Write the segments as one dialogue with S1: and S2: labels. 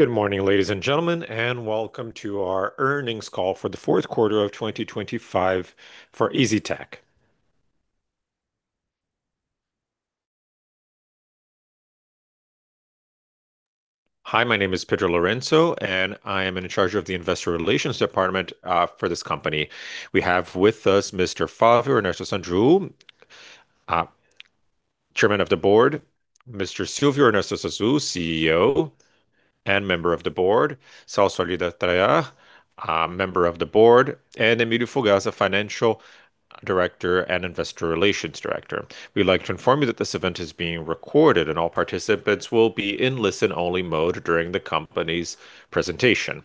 S1: Good morning, ladies and gentlemen, and welcome to our earnings call for the fourth quarter of 2025 for EZTEC. Hi, my name is Pedro Tadeu Teixeira Lourenço, and I am in charge of the investor relations department for this company. We have with us Mr. Flávio Ernesto Zarzur, Chairman of the Board, Mr. Silvio Ernesto Zarzur, CEO and member of the board, Marcos Ernesto Zarzur, member of the board, and Antônio Emílio Clemente Fugazza, Financial Director and Investor Relations Director. We'd like to inform you that this event is being recorded, and all participants will be in listen-only mode during the company's presentation.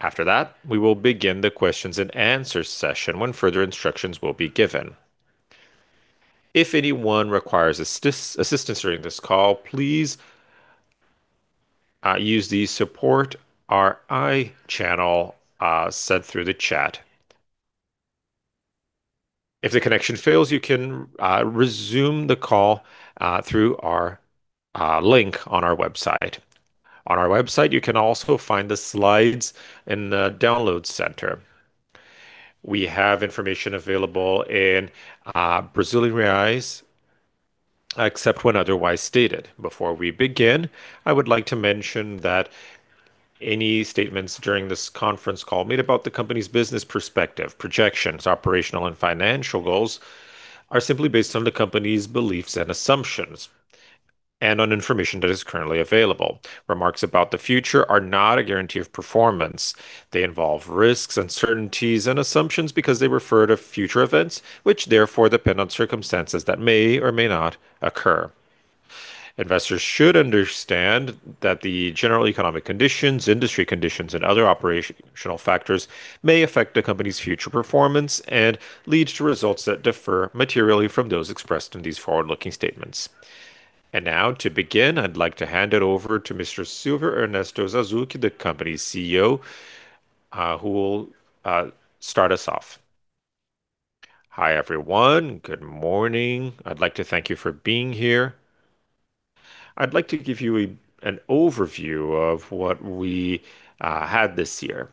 S1: After that, we will begin the questions and answers session, when further instructions will be given. If anyone requires assistance during this call, please use the support RI channel sent through the chat. If the connection fails, you can resume the call through our link on our website. On our website, you can also find the slides in the download center. We have information available in Brazilian reais, except when otherwise stated. Before we begin, I would like to mention that any statements during this conference call made about the company's business perspective, projections, operational and financial goals are simply based on the company's beliefs and assumptions and on information that is currently available. Remarks about the future are not a guarantee of performance. They involve risks, uncertainties and assumptions because they refer to future events, which therefore depend on circumstances that may or may not occur. Investors should understand that the general economic conditions, industry conditions, and other operational factors may affect the company's future performance and lead to results that differ materially from those expressed in these forward-looking statements. Now to begin, I'd like to hand it over to Mr. Silvio Ernesto Zarzur, the company's CEO, who will start us off.
S2: Hi, everyone. Good morning. I'd like to thank you for being here. I'd like to give you an overview of what we had this year.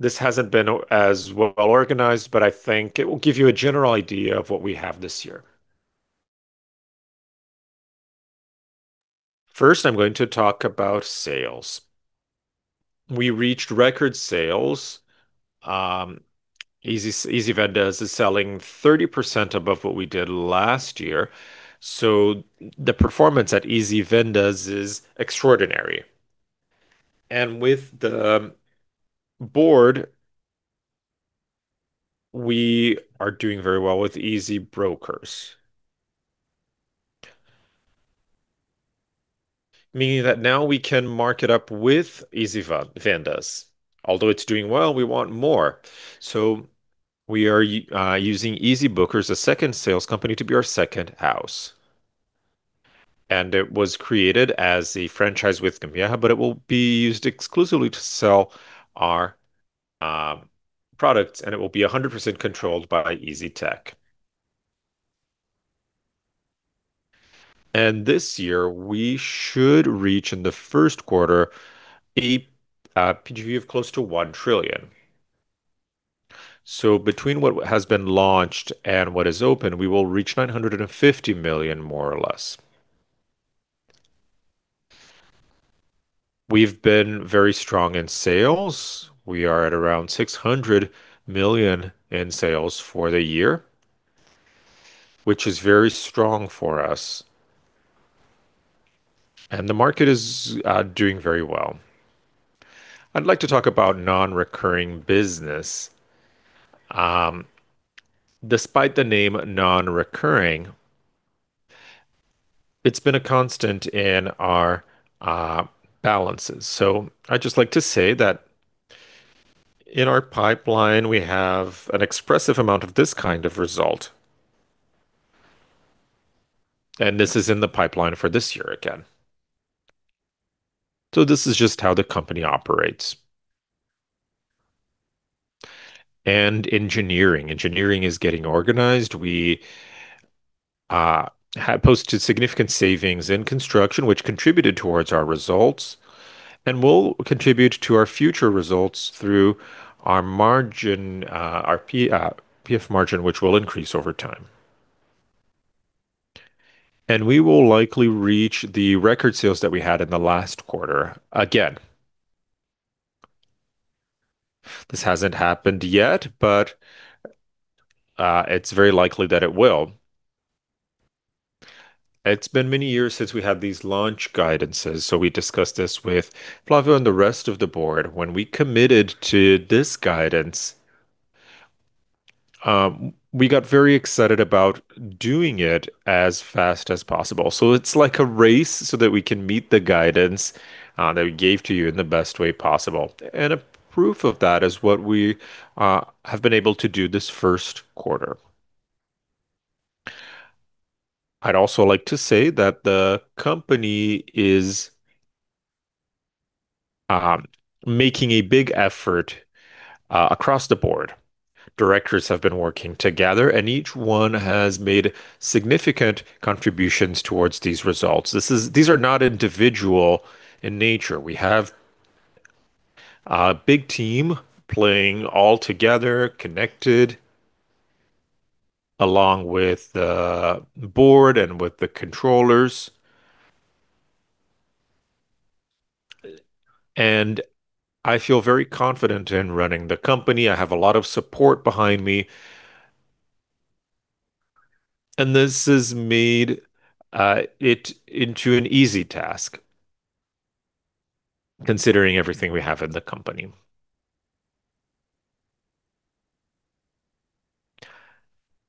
S2: This hasn't been as well organized, but I think it will give you a general idea of what we have this year. First, I'm going to talk about sales. We reached record sales. EZ Vendas is selling 30% above what we did last year, so the performance at EZ Vendas is extraordinary. With the board, we are doing very well with EZ Brokers. Meaning that now we can mark it up with EZ Vendas. Although it's doing well, we want more. We are using EZ Brokers, a second sales company, to be our second house. It was created as a franchise with Gambarini, but it will be used exclusively to sell our products, and it will be 100% controlled by EZTEC. This year, we should reach, in the first quarter, a VGV of close to 1 billion. Between what has been launched and what is open, we will reach 950 million, more or less. We've been very strong in sales. We are at around 600 million in sales for the year, which is very strong for us. The market is doing very well. I'd like to talk about non-recurring business. Despite the name non-recurring, it's been a constant in our balances. I'd just like to say that in our pipeline, we have an expressive amount of this kind of result. This is in the pipeline for this year again. This is just how the company operates. Engineering. Engineering is getting organized. We have posted significant savings in construction, which contributed towards our results and will contribute to our future results through our margin, our PF margin, which will increase over time. We will likely reach the record sales that we had in the last quarter again. This hasn't happened yet, but it's very likely that it will. It's been many years since we had these launch guidances, so we discussed this with Flávio and the rest of the board. When we committed to this guidance, we got very excited about doing it as fast as possible. It's like a race so that we can meet the guidance that we gave to you in the best way possible. A proof of that is what we have been able to do this first quarter. I'd also like to say that the company is making a big effort across the board. Directors have been working together, and each one has made significant contributions towards these results. These are not individual in nature. We have a big team playing all together, connected, along with the board and with the controllers. I feel very confident in running the company. I have a lot of support behind me. This has made it into an easy task considering everything we have in the company.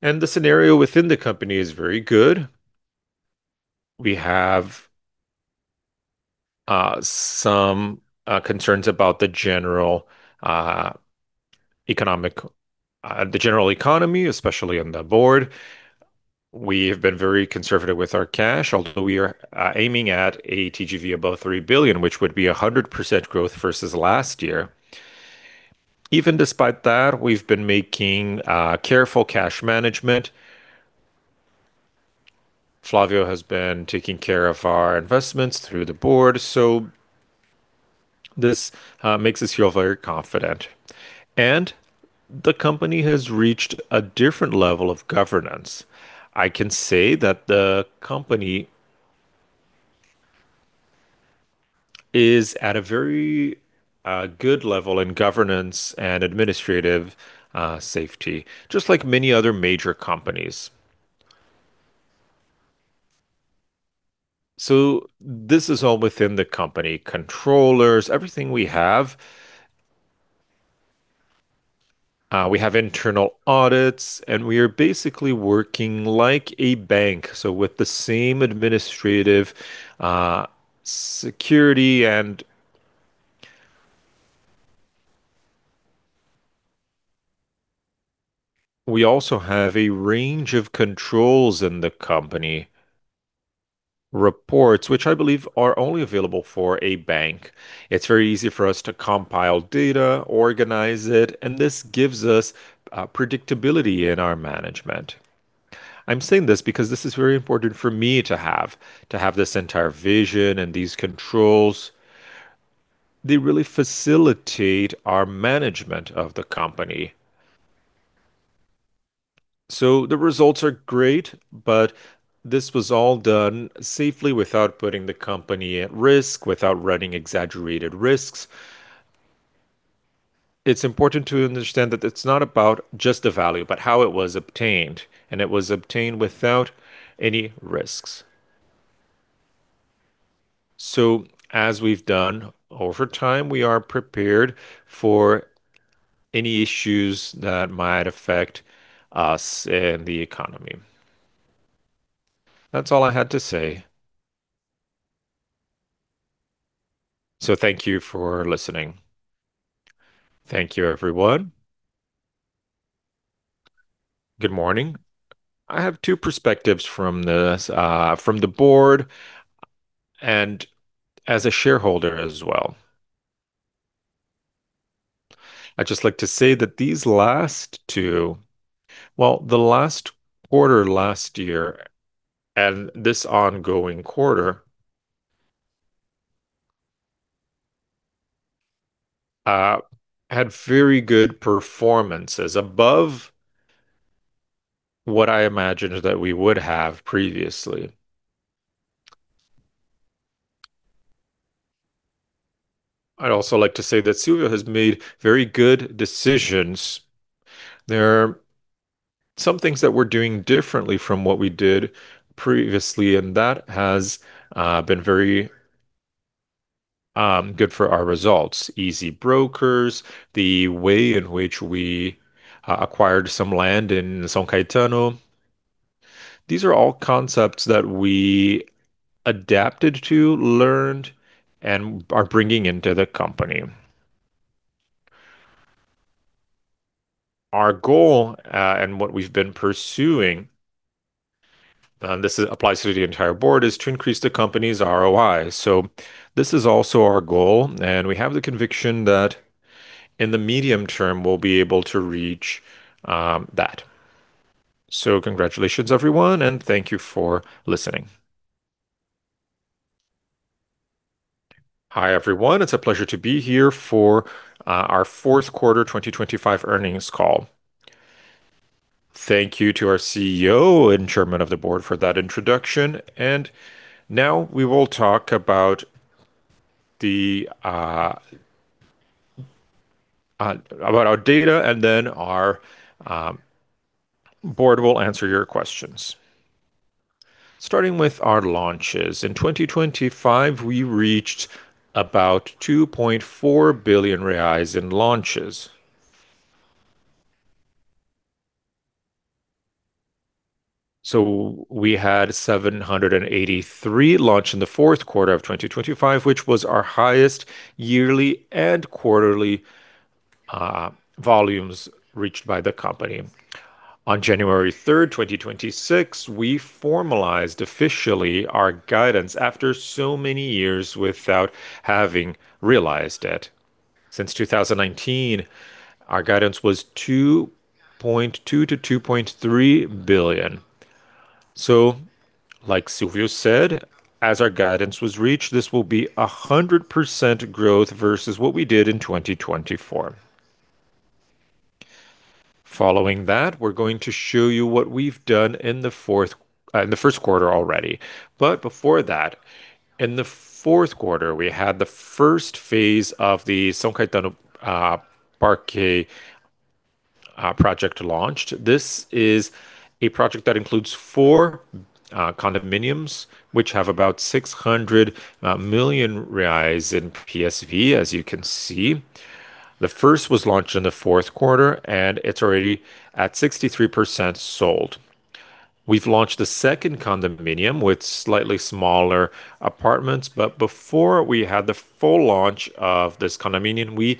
S2: The scenario within the company is very good. We have some concerns about the general economy, especially on the board. We have been very conservative with our cash, although we are aiming at a VGV above 3 billion, which would be 100% growth versus last year. Even despite that, we've been making careful cash management. Flávio has been taking care of our investments through the board, so this makes us feel very confident. The company has reached a different level of governance. I can say that the company is at a very good level in governance and administrative safety, just like many other major companies. This is all within the company. Controllers, everything we have. We have internal audits, and we are basically working like a bank, so with the same administrative, security and. We also have a range of controls in the company. Reports, which I believe are only available for a bank. It's very easy for us to compile data, organize it, and this gives us predictability in our management. I'm saying this because this is very important for me to have. To have this entire vision and these controls, they really facilitate our management of the company. The results are great, but this was all done safely without putting the company at risk, without running exaggerated risks. It's important to understand that it's not about just the value, but how it was obtained, and it was obtained without any risks.
S3: As we've done over time, we are prepared for any issues that might affect us and the economy. That's all I had to say. Thank you for listening. Thank you, everyone. Good morning. I have two perspectives from this, from the board and as a shareholder as well. I'd just like to say that the last quarter last year and this ongoing quarter had very good performances above what I imagined that we would have previously. I'd also like to say that Silvio has made very good decisions. There are some things that we're doing differently from what we did previously, and that has been very good for our results. EZ Brokers, the way in which we acquired some land in São Caetano. These are all concepts that we adapted to, learned, and are bringing into the company.
S4: Our goal, and what we've been pursuing, this applies to the entire board, is to increase the company's ROI. This is also our goal, and we have the conviction that in the medium term, we'll be able to reach that. Congratulations, everyone, and thank you for listening. Hi, everyone. It's a pleasure to be here for our fourth quarter 2025 earnings call. Thank you to our CEO and chairman of the board for that introduction. Now we will talk about our data, and then our board will answer your questions. Starting with our launches. In 2025, we reached about 2.4 billion reais in launches. We had 783 launches in the fourth quarter of 2025, which was our highest yearly and quarterly volumes reached by the company.
S1: On January 3, 2026, we formalized officially our guidance after so many years without having realized it. Since 2019, our guidance was 2.2 billion-2.3 billion. Like Silvio said, as our guidance was reached, this will be 100% growth versus what we did in 2024. Following that, we're going to show you what we've done in the first quarter already. Before that, in the fourth quarter, we had the first phase of the São Caetano Parque project launched. This is a project that includes four condominiums, which have about 600 million reais in PSV, as you can see. The first was launched in the fourth quarter, and it's already at 63% sold. We've launched a second condominium with slightly smaller apartments, but before we had the full launch of this condominium, we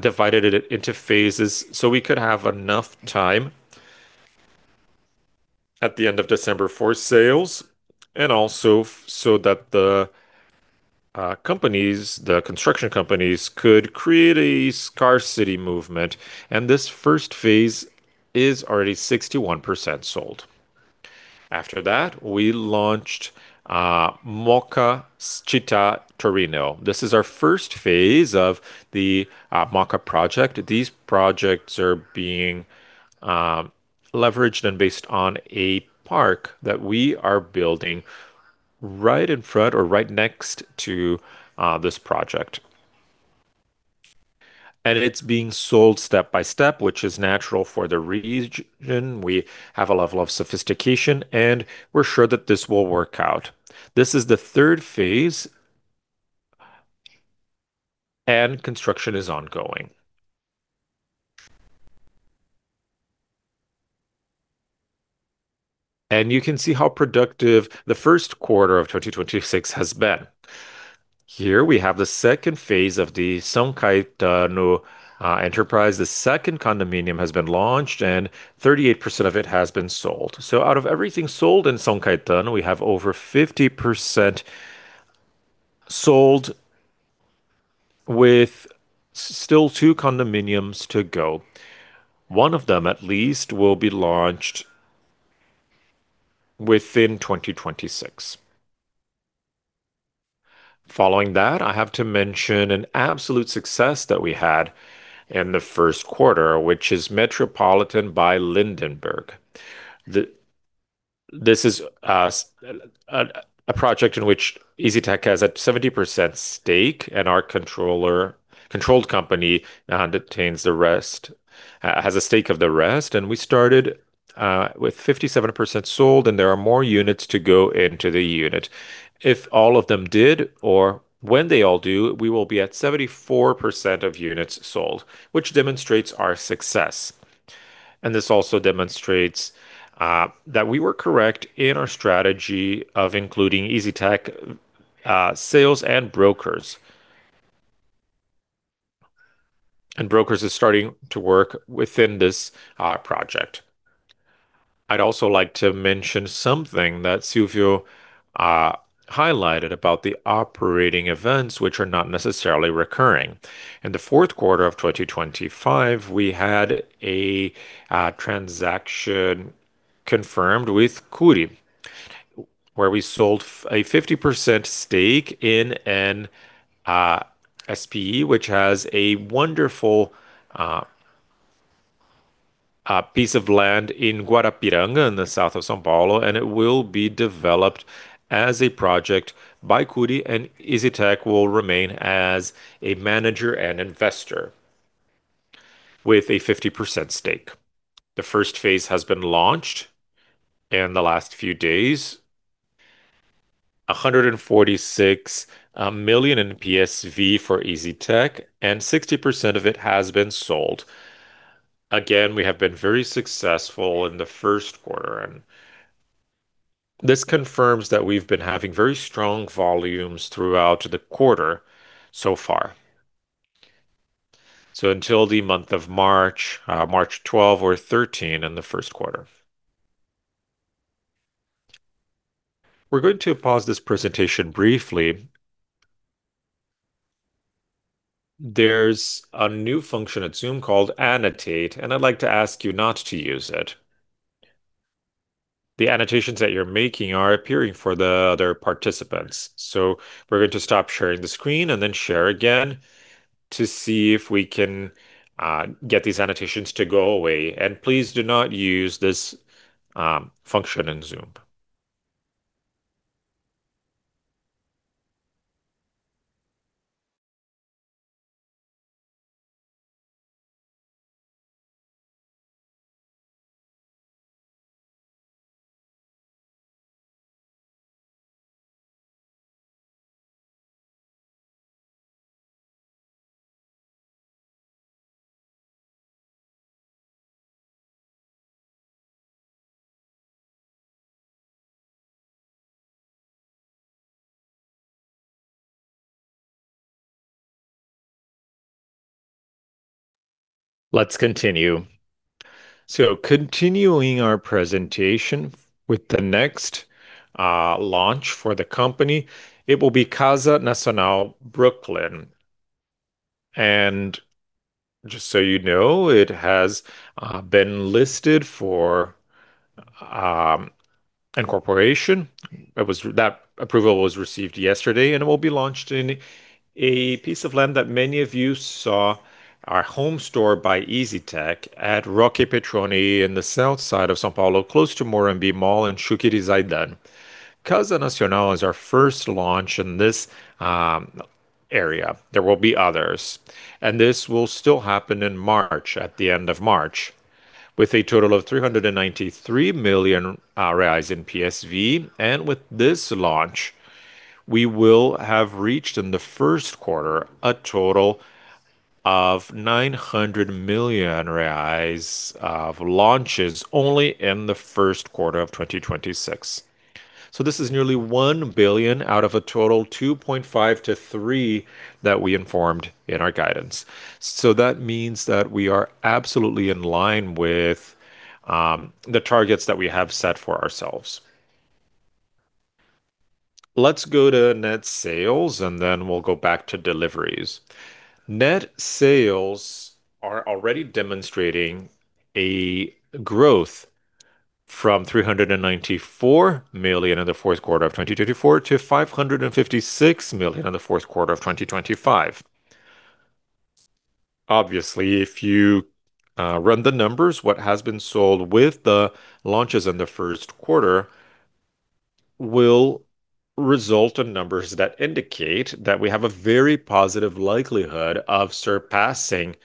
S1: divided it into phases so we could have enough time at the end of December for sales, and also so that the companies, the construction companies, could create a scarcity movement, and this first phase is already 61% sold. After that, we launched Mooca Città This is our first phase of the Mooca project. These projects are being leveraged and based on a park that we are building right in front or right next to this project. It's being sold step by step, which is natural for the region. We have a level of sophistication, and we're sure that this will work out. This is the third phase, and construction is ongoing. You can see how productive the first quarter of 2026 has been. Here we have the second phase of the São Caetano enterprise. The second condominium has been launched, and 38% of it has been sold. Out of everything sold in São Caetano, we have over 50% sold with still two condominiums to go. One of them at least will be launched within 2026. Following that, I have to mention an absolute success that we had in the first quarter, which is Metropolitan by Lindenberg. This is a project in which EZTEC has a 70% stake and our controlling company holds the rest. We started with 57% sold, and there are more units to go into the unit. If all of them did or when they all do, we will be at 74% of units sold, which demonstrates our success. This also demonstrates that we were correct in our strategy of including EZTEC sales and brokers. Brokers is starting to work within this project. I'd also like to mention something that Silvio highlighted about the operating events which are not necessarily recurring. In the fourth quarter of 2025, we had a transaction confirmed with Cury, where we sold a 50% stake in an SPE which has a wonderful piece of land in Guarapiranga in the south of São Paulo, and it will be developed as a project by Cury, and EZTEC will remain as a manager and investor with a 50% stake. The first phase has been launched in the last few days. 146 million in PSV for EZTEC, and 60% of it has been sold. Again, we have been very successful in the first quarter, and this confirms that we've been having very strong volumes throughout the quarter so far. Until the month of March 12 or 13 in the first quarter. We're going to pause this presentation briefly. There's a new function at Zoom called Annotate, and I'd like to ask you not to use it. The annotations that you're making are appearing for the other participants. We're going to stop sharing the screen and then share again to see if we can get these annotations to go away. Please do not use this function in Zoom. Let's continue. Continuing our presentation with the next launch for the company, it will be Casas Jardim. Just so you know, it has been listed for incorporation. That approval was received yesterday, and it will be launched in a piece of land that many of you saw our home store by EZTEC at Roque Petroni in the south side of São Paulo, close to Morumbi Mall and Chucri Zaidan. Casa Nacional is our first launch in this area. There will be others, and this will still happen in March, at the end of March, with a total of 393 million reais in PSV. With this launch, we will have reached in the first quarter a total of 900 million reais of launches only in the first quarter of 2026. This is nearly 1 billion out of a total 2.5 billion-3 billion that we informed in our guidance. That means that we are absolutely in line with the targets that we have set for ourselves. Let's go to net sales, and then we'll go back to deliveries. Net sales are already demonstrating a growth from 394 million in the fourth quarter of 2024 to 556 million in the fourth quarter of 2025. Obviously, if you run the numbers, what has been sold with the launches in the first quarter will result in numbers that indicate that we have a very positive likelihood of surpassing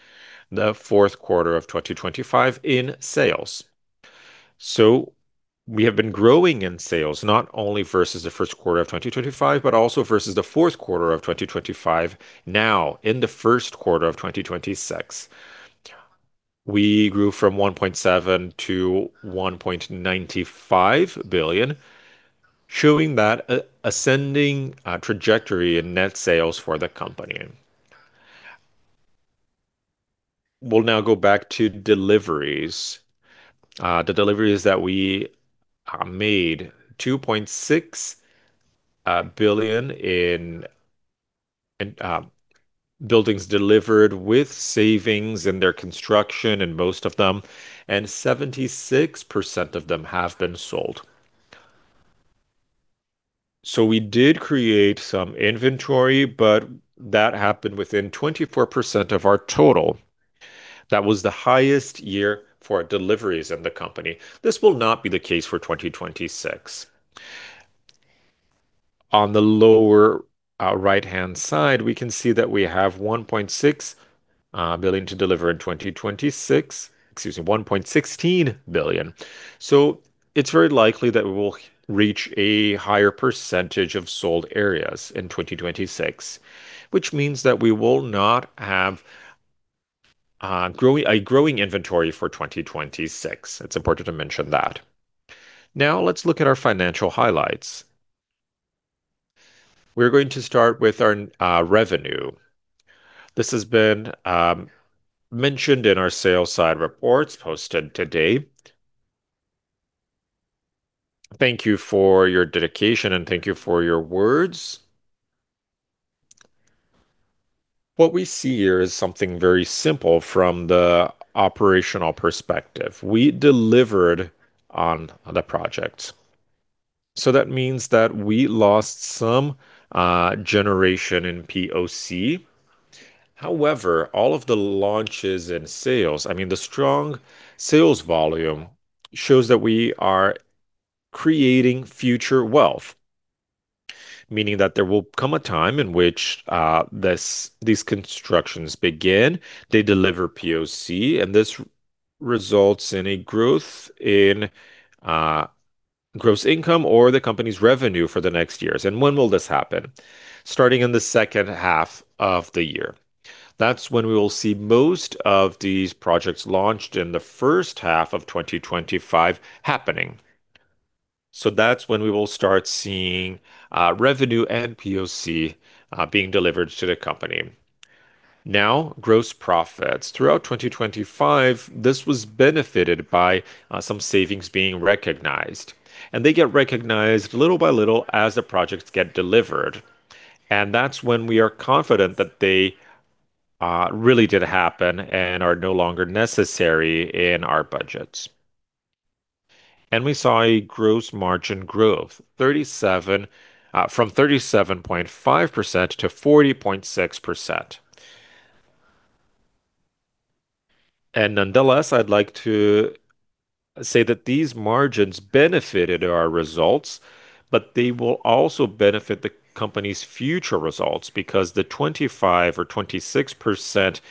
S1: the fourth quarter of 2025 in sales. We have been growing in sales not only versus the first quarter of 2025, but also versus the fourth quarter of 2025. Now, in the first quarter of 2026, we grew from 1.7 billion to 1.95 billion, showing that ascending trajectory in net sales for the company. We'll now go back to deliveries. The deliveries that we made 2.6 billion in buildings delivered with savings in their construction in most of them, and 76% of them have been sold. We did create some inventory, but that happened within 24% of our total. That was the highest year for deliveries in the company. This will not be the case for 2026. On the lower right-hand side, we can see that we have 1.6 billion to deliver in 2026, excuse me, 1.16 billion. It's very likely that we will reach a higher percentage of sold areas in 2026, which means that we will not have growing inventory for 2026. It's important to mention that. Now let's look at our financial highlights. We're going to start with our revenue. This has been mentioned in our sales side reports posted today. Thank you for your dedication, and thank you for your words. What we see here is something very simple from the operational perspective. We delivered on the projects, so that means that we lost some generation in POC. However, all of the launches and sales, I mean, the strong sales volume shows that we are creating future wealth, meaning that there will come a time in which this, these constructions begin, they deliver POC, and this results in a growth in gross income or the company's revenue for the next years. When will this happen? Starting in the second half of the year. That's when we will see most of these projects launched in the first half of 2025 happening. That's when we will start seeing revenue and POC being delivered to the company. Now, gross profits. Throughout 2025, this was benefited by some savings being recognized, and they get recognized little by little as the projects get delivered, and that's when we are confident that they really did happen and are no longer necessary in our budgets. We saw a gross margin growth from 37.5% to 40.6%. Nonetheless, I'd like to say that these margins benefited our results, but they will also benefit the company's future results because the 25% or 26%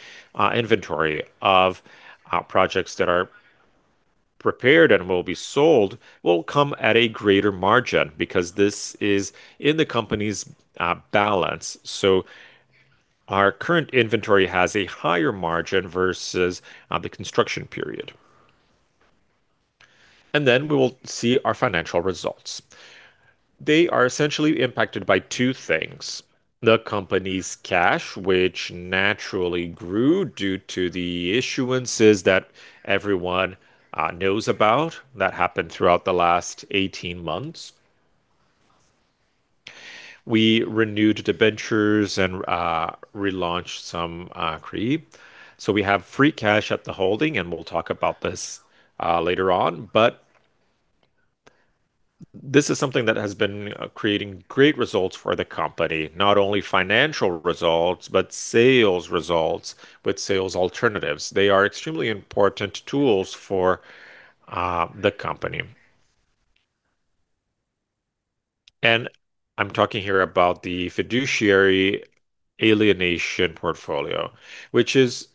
S1: inventory of projects that are prepared and will be sold will come at a greater margin because this is in the company's balance. Our current inventory has a higher margin versus the construction period. We will see our financial results. They are essentially impacted by two things, the company's cash, which naturally grew due to the issuances that everyone knows about that happened throughout the last 18 months. We renewed debentures and relaunched some CRI. We have free cash at the holding, and we'll talk about this later on. This is something that has been creating great results for the company. Not only financial results, but sales results with sales alternatives. They are extremely important tools for the company. I'm talking here about the fiduciary alienation portfolio, which is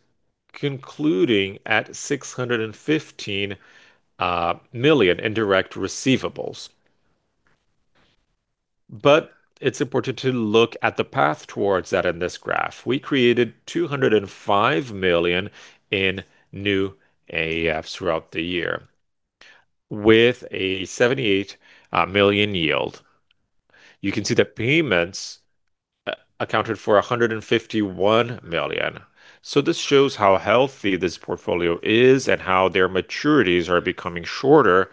S1: concluding at 615 million in direct receivables. It's important to look at the path towards that in this graph. We created 205 million in new AFEs throughout the year with a 78 million yield. You can see the payments accounted for 151 million. This shows how healthy this portfolio is and how their maturities are becoming shorter,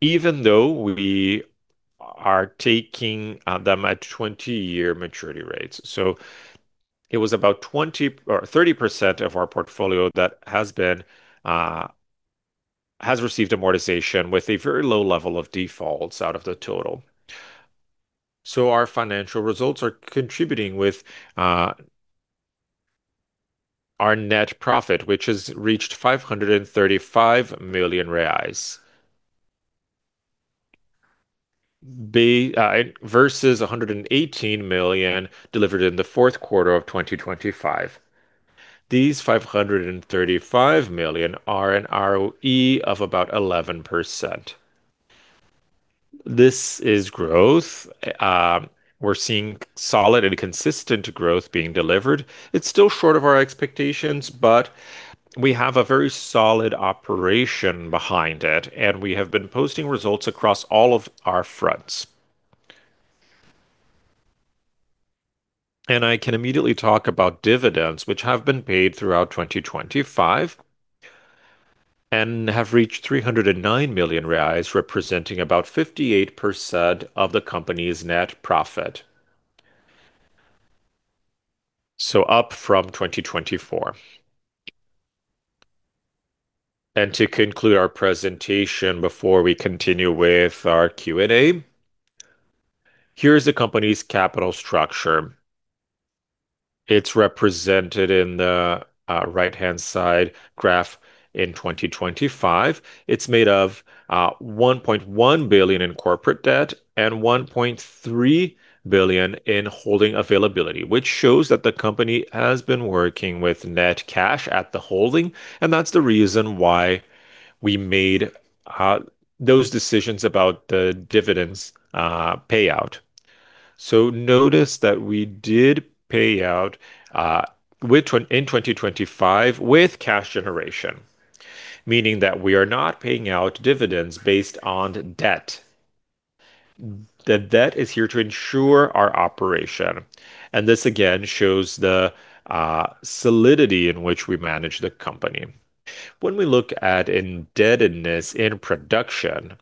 S1: even though we are taking them at 20-year maturity rates. It was about 20 or 30% of our portfolio that has received amortization with a very low level of defaults out of the total. Our financial results are contributing with our net profit, which has reached 535 million reais. Versus 118 million delivered in the fourth quarter of 2025. These 535 million are an ROE of about 11%. This is growth. We're seeing solid and consistent growth being delivered. It's still short of our expectations, but we have a very solid operation behind it, and we have been posting results across all of our fronts. I can immediately talk about dividends, which have been paid throughout 2025 and have reached 309 million reais, representing about 58% of the company's net profit, so up from 2024. To conclude our presentation before we continue with our Q&A, here is the company's capital structure. It's represented in the right-hand side graph in 2025. It's made of 1.1 billion in corporate debt and 1.3 billion in holding availability, which shows that the company has been working with net cash at the holding, and that's the reason why we made those decisions about the dividends payout. Notice that we did pay out within 2025 with cash generation, meaning that we are not paying out dividends based on debt. The debt is here to ensure our operation, and this again shows the solidity in which we manage the company. When we look at indebtedness in production,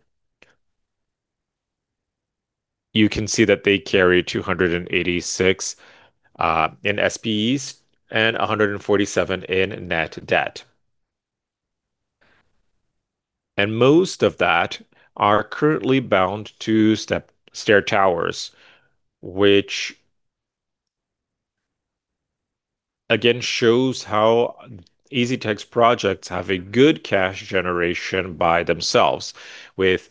S1: you can see that they carry 286 in SPEs and 147 in net debt. Most of that are currently bound to EZ Towers, which again shows how EZTEC's projects have a good cash generation by themselves with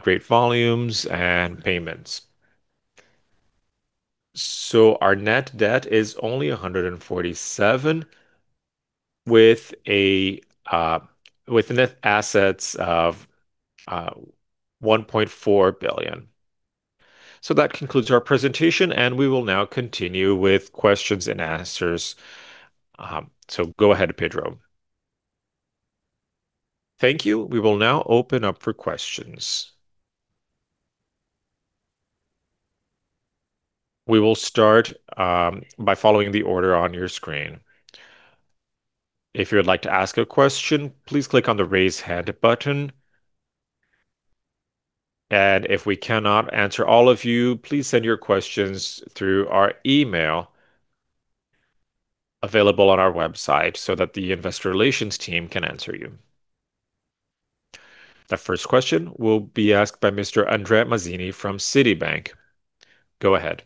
S1: great volumes and payments. Our net debt is only 147 with net assets of 1.4 billion. That concludes our presentation, and we will now continue with questions and answers. Go ahead, Pedro. Thank you. We will now open up for questions. We will start by following the order on your screen. If you would like to ask a question, please click on the Raise Hand button. If we cannot answer all of you, please send your questions through our email available on our website so that the investor relations team can answer you. The first question will be asked by Mr. André Mazini from Citibank. Go ahead.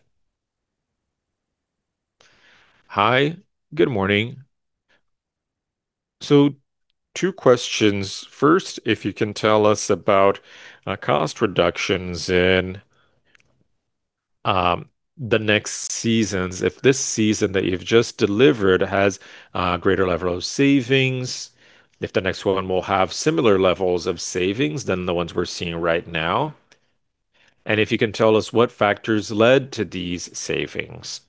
S5: Hi. Good morning. Two questions. First, if you can tell us about cost reductions in the next seasons. If this season that you've just delivered has greater level of savings, if the next one will have similar levels of savings than the ones we're seeing right now? If you can tell us what factors led to these savings.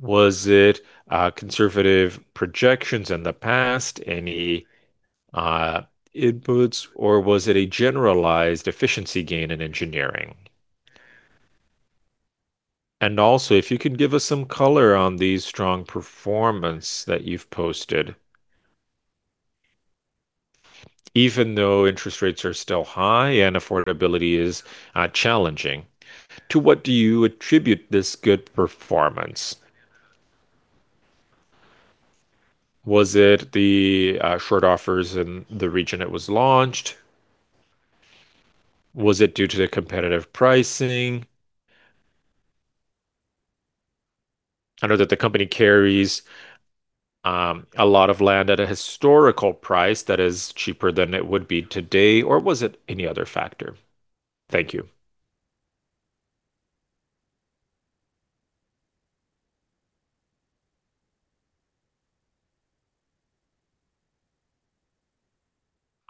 S5: Was it conservative projections in the past? Any inputs, or was it a generalized efficiency gain in engineering?
S2: Also, if you could give us some color on the strong performance that you've posted even though interest rates are still high and affordability is challenging. To what do you attribute this good performance? Was it the short offers in the region it was launched? Was it due to the competitive pricing? I know that the company carries a lot of land at a historical price that is cheaper than it would be today, or was it any other factor? Thank you.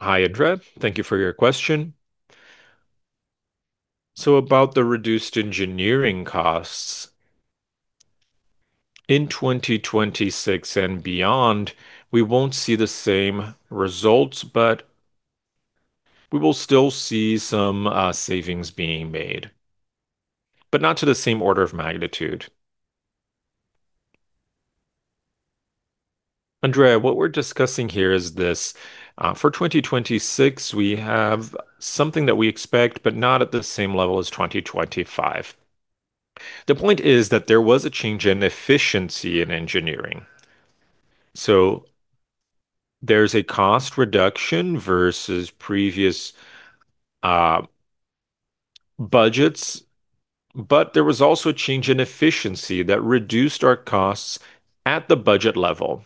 S2: Hi, André. Thank you for your question. About the reduced engineering costs, in 2026 and beyond, we won't see the same results, but we will still see some savings being made, but not to the same order of magnitude.
S1: André Mazini, what we're discussing here is this, for 2026, we have something that we expect, but not at the same level as 2025. The point is that there was a change in efficiency in engineering. There's a cost reduction versus previous budgets, but there was also a change in efficiency that reduced our costs at the budget level.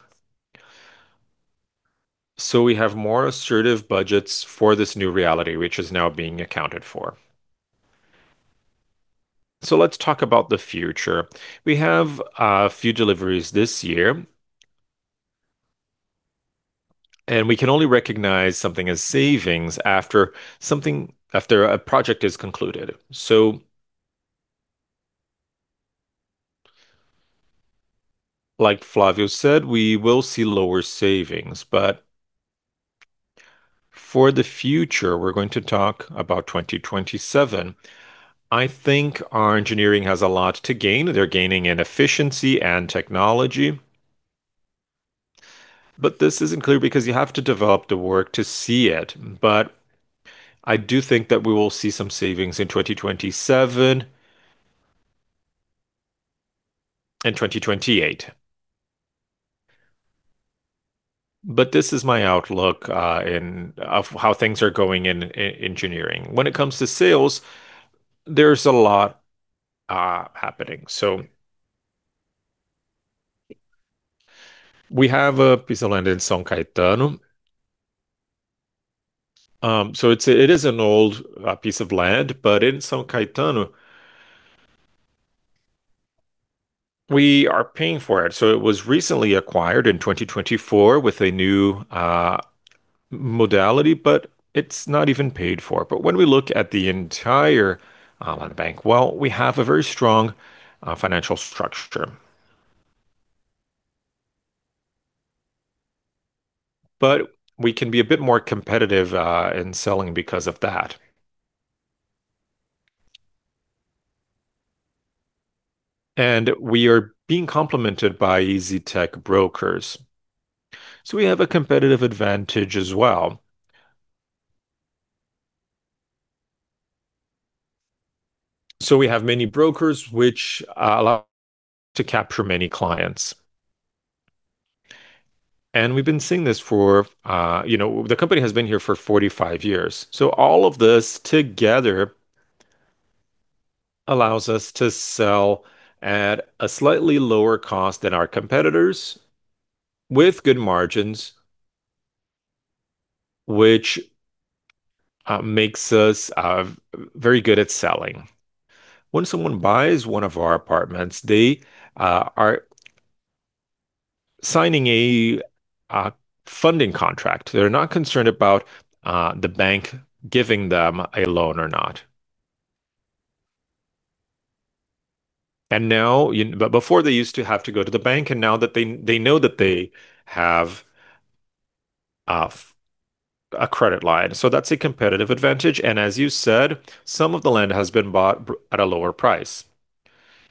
S1: We have more assertive budgets for this new reality, which is now being accounted for. Let's talk about the future. We have a few deliveries this year. We can only recognize something as savings after a project is concluded. Like Flávio said, we will see lower savings, but for the future, we're going to talk about 2027. I think our engineering has a lot to gain. They're gaining in efficiency and technology. This isn't clear because you have to develop the work to see it. I do think that we will see some savings in 2027 and 2028. This is my outlook of how things are going in engineering. When it comes to sales, there's a lot happening. We have a piece of land in São Caetano. It is an old piece of land, but in São Caetano, we are paying for it. It was recently acquired in 2024 with a new modality, but it's not even paid for. When we look at the entire land bank, we have a very strong financial structure. We can be a bit more competitive in selling because of that. We are being complemented by EZTEC Brokers. We have a competitive advantage as well. We have many brokers which allow to capture many clients. We've been seeing this for, you know, the company has been here for 45 years. All of this together allows us to sell at a slightly lower cost than our competitors with good margins, which makes us very good at selling. When someone buys one of our apartments, they are signing a funding contract. They're not concerned about the bank giving them a loan or not. Before they used to have to go to the bank, and now that they know that they have a credit line. That's a competitive advantage. As you said, some of the land has been bought at a lower price.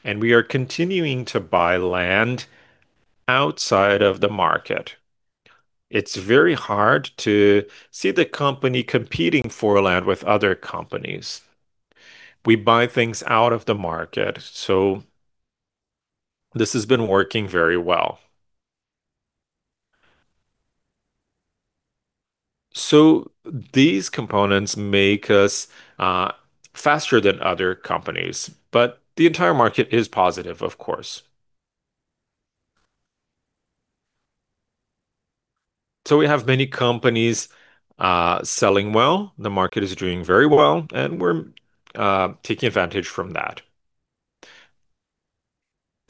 S1: We are continuing to buy land outside of the market. It's very hard to see the company competing for land with other companies. We buy things out of the market, so this has been working very well. These components make us faster than other companies, but the entire market is positive, of course. We have many companies selling well. The market is doing very well, and we're taking advantage from that.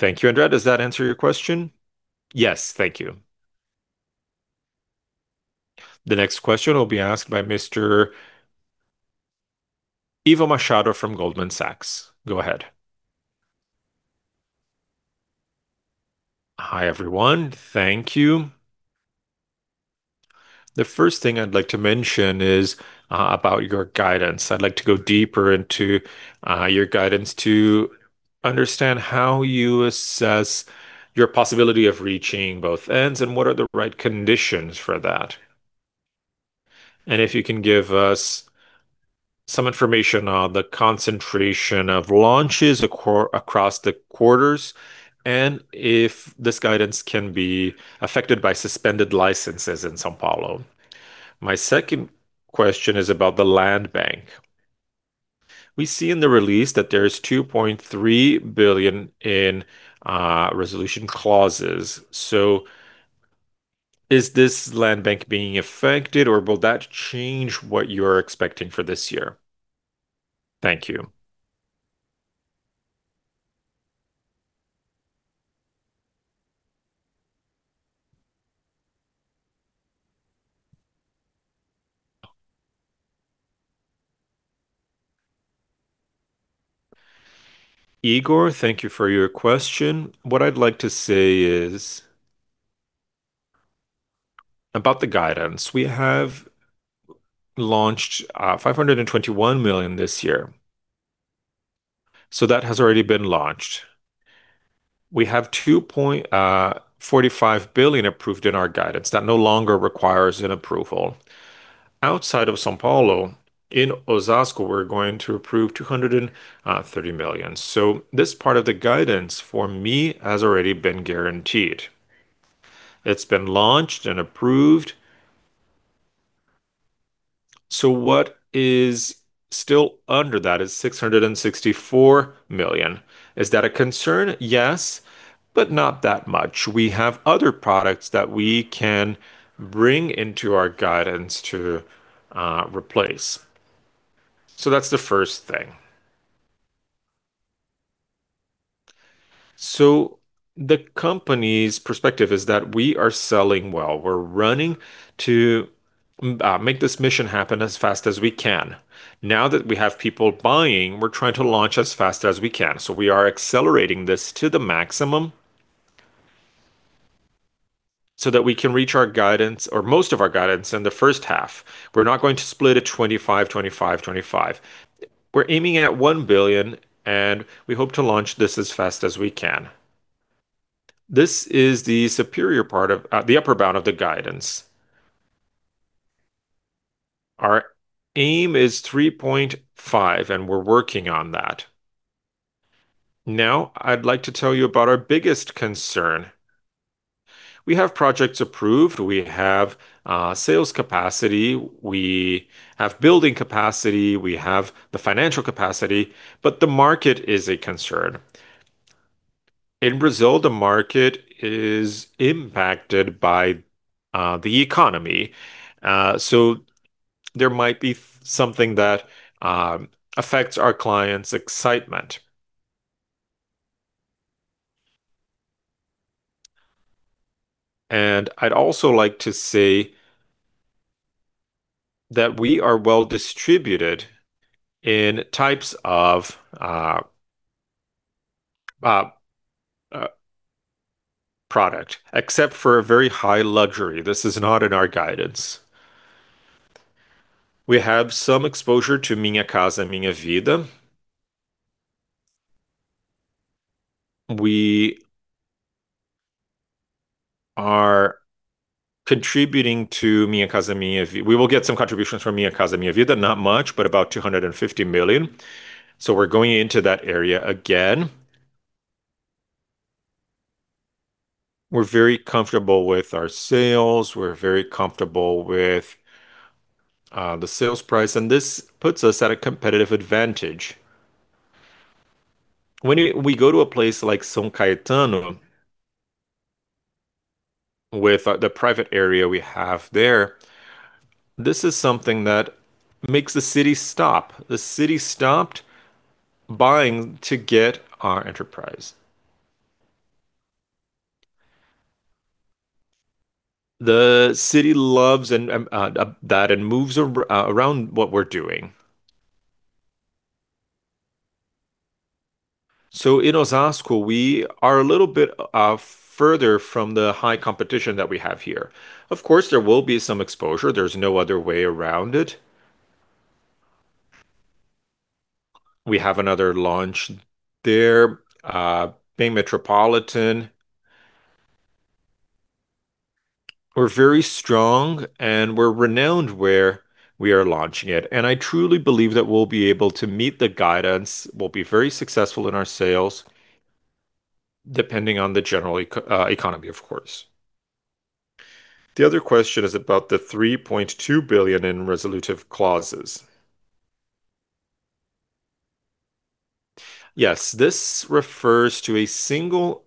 S1: Thank you, André Mazini. Does that answer your question? Yes. Thank you. The next question will be asked by Mr. Igor Machado from Goldman Sachs. Go ahead. Hi, everyone. Thank you. The first thing I'd like to mention is about your guidance. I'd like to go deeper into your guidance to understand how you assess your possibility of reaching both ends and what are the right conditions for that.
S6: If you can give us some information on the concentration of launches across the quarters, and if this guidance can be affected by suspended licenses in São Paulo? My second question is about the land bank. We see in the release that there is 2.3 billion in resolution clauses. So is this land bank being affected, or will that change what you're expecting for this year? Thank you. Igor, thank you for your question. What I'd like to say is about the guidance. We have launched 521 million this year, so that has already been launched. We have 2.45 billion approved in our guidance. That no longer requires an approval. Outside of São Paulo, in Osasco, we're going to approve 230 million. So this part of the guidance for me has already been guaranteed.
S2: It's been launched and approved. What is still under that is 664 million. Is that a concern? Yes, but not that much. We have other products that we can bring into our guidance to replace. That's the first thing. The company's perspective is that we are selling well. We're running to make this mission happen as fast as we can. Now that we have people buying, we're trying to launch as fast as we can. We are accelerating this to the maximum so that we can reach our guidance or most of our guidance in the first half. We're not going to split it 25, 25. We're aiming at 1 billion, and we hope to launch this as fast as we can. This is the superior part of the upper bound of the guidance.
S1: Our aim is 3.5, and we're working on that. Now, I'd like to tell you about our biggest concern. We have projects approved. We have sales capacity. We have building capacity. We have the financial capacity, but the market is a concern. In Brazil, the market is impacted by the economy, so there might be something that affects our clients' excitement. I'd also like to say that we are well distributed in types of product, except for a very high luxury. This is not in our guidance. We have some exposure to Minha Casa, Minha Vida. We are contributing to Minha Casa, Minha Vida, we will get some contributions from Minha Casa, Minha Vida, not much, but about 250 million. We're going into that area again. We're very comfortable with our sales. We're very comfortable with the sales price, and this puts us at a competitive advantage. When we go to a place like São Caetano with the private area we have there, this is something that makes the city stop. The city stopped buying to get our enterprise. The city loves that and moves around what we're doing. In Osasco, we are a little bit further from the high competition that we have here. Of course, there will be some exposure. There's no other way around it. We have another launch there, being Metropolitan. We're very strong, and we're renowned where we are launching it, and I truly believe that we'll be able to meet the guidance. We'll be very successful in our sales, depending on the general economy, of course. The other question is about the 3.2 billion in resolutive clauses. Yes, this refers to a single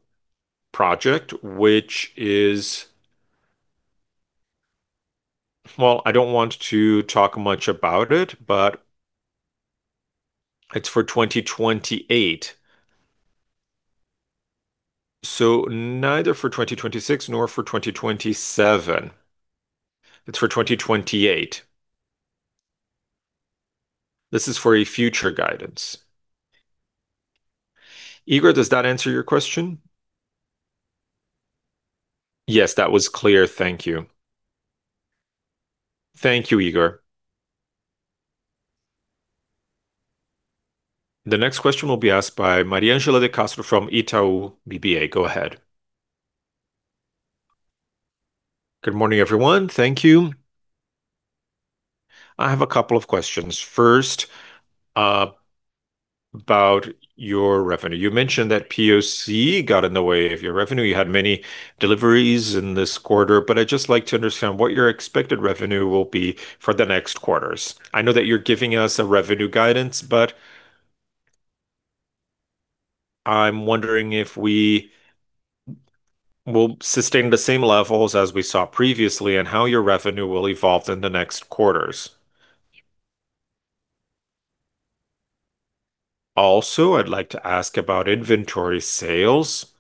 S1: project which is. Well, I don't want to talk much about it, but it's for 2028. Neither for 2026 nor for 2027. It's for 2028. This is for a future guidance. Igor, does that answer your question? Yes, that was clear. Thank you. Thank you, Igor. The next question will be asked by Mariangela da Costa from Itaú BBA. Go ahead. Good morning, everyone. Thank you. I have a couple of questions. First, about your revenue. You mentioned that POC got in the way of your revenue. You had many deliveries in this quarter, but I'd just like to understand what your expected revenue will be for the next quarters.
S7: I know that you're giving us a revenue guidance, but I'm wondering if we will sustain the same levels as we saw previously and how your revenue will evolve in the next quarters. Also, I'd like to ask about inventory sales.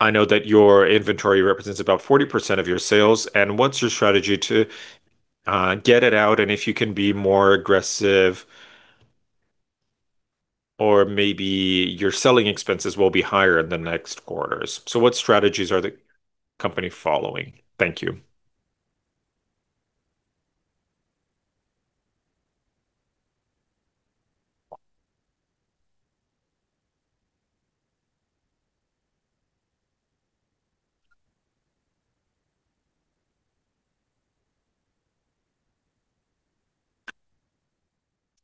S7: I know that your inventory represents about 40% of your sales, and what's your strategy to get it out, and if you can be more aggressive or maybe your selling expenses will be higher in the next quarters. What strategies is the company following? Thank you.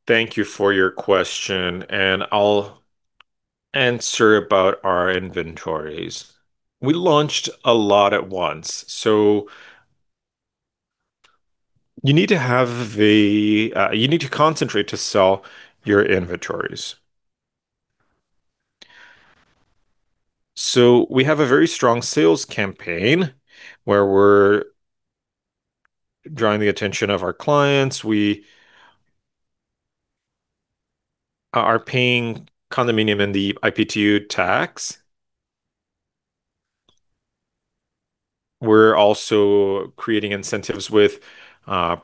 S7: Thank you for your question, and I'll answer about our inventories. We launched a lot at once, so you need to concentrate to sell your inventories. We have a very strong sales campaign where we're drawing the attention of our clients. We are paying condominium and the IPTU tax.
S2: We're also creating incentives with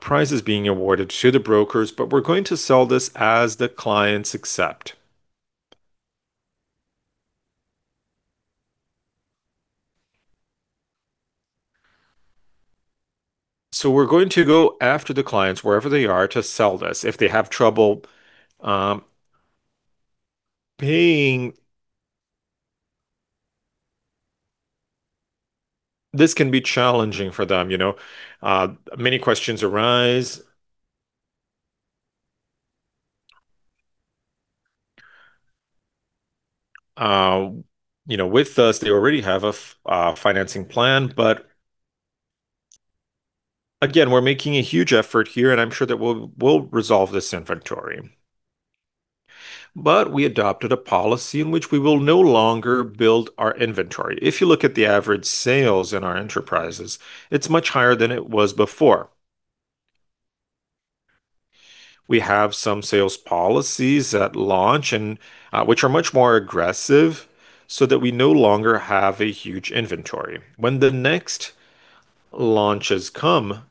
S2: prizes being awarded to the brokers, but we're going to sell this as the clients accept. We're going to go after the clients wherever they are to sell this. If they have trouble paying, this can be challenging for them, you know. Many questions arise. You know, with us, they already have a financing plan, but again, we're making a huge effort here, and I'm sure that we'll resolve this inventory. We adopted a policy in which we will no longer build our inventory. If you look at the average sales in our enterprises, it's much higher than it was before. We have some sales policies at launch and which are much more aggressive so that we no longer have a huge inventory.
S1: When the next launches come,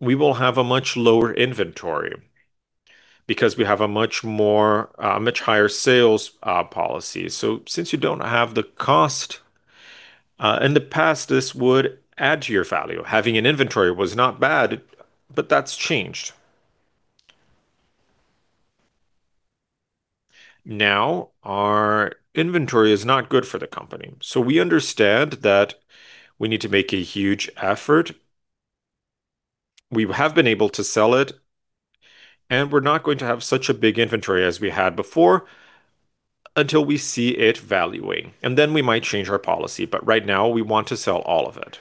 S1: we will have a much lower inventory because we have a much higher sales policy. Since you don't have the cost in the past, this would add to your value. Having an inventory was not bad, but that's changed. Now, our inventory is not good for the company, so we understand that we need to make a huge effort. We have been able to sell it, and we're not going to have such a big inventory as we had before until we see it valuing, and then we might change our policy. Right now, we want to sell all of it.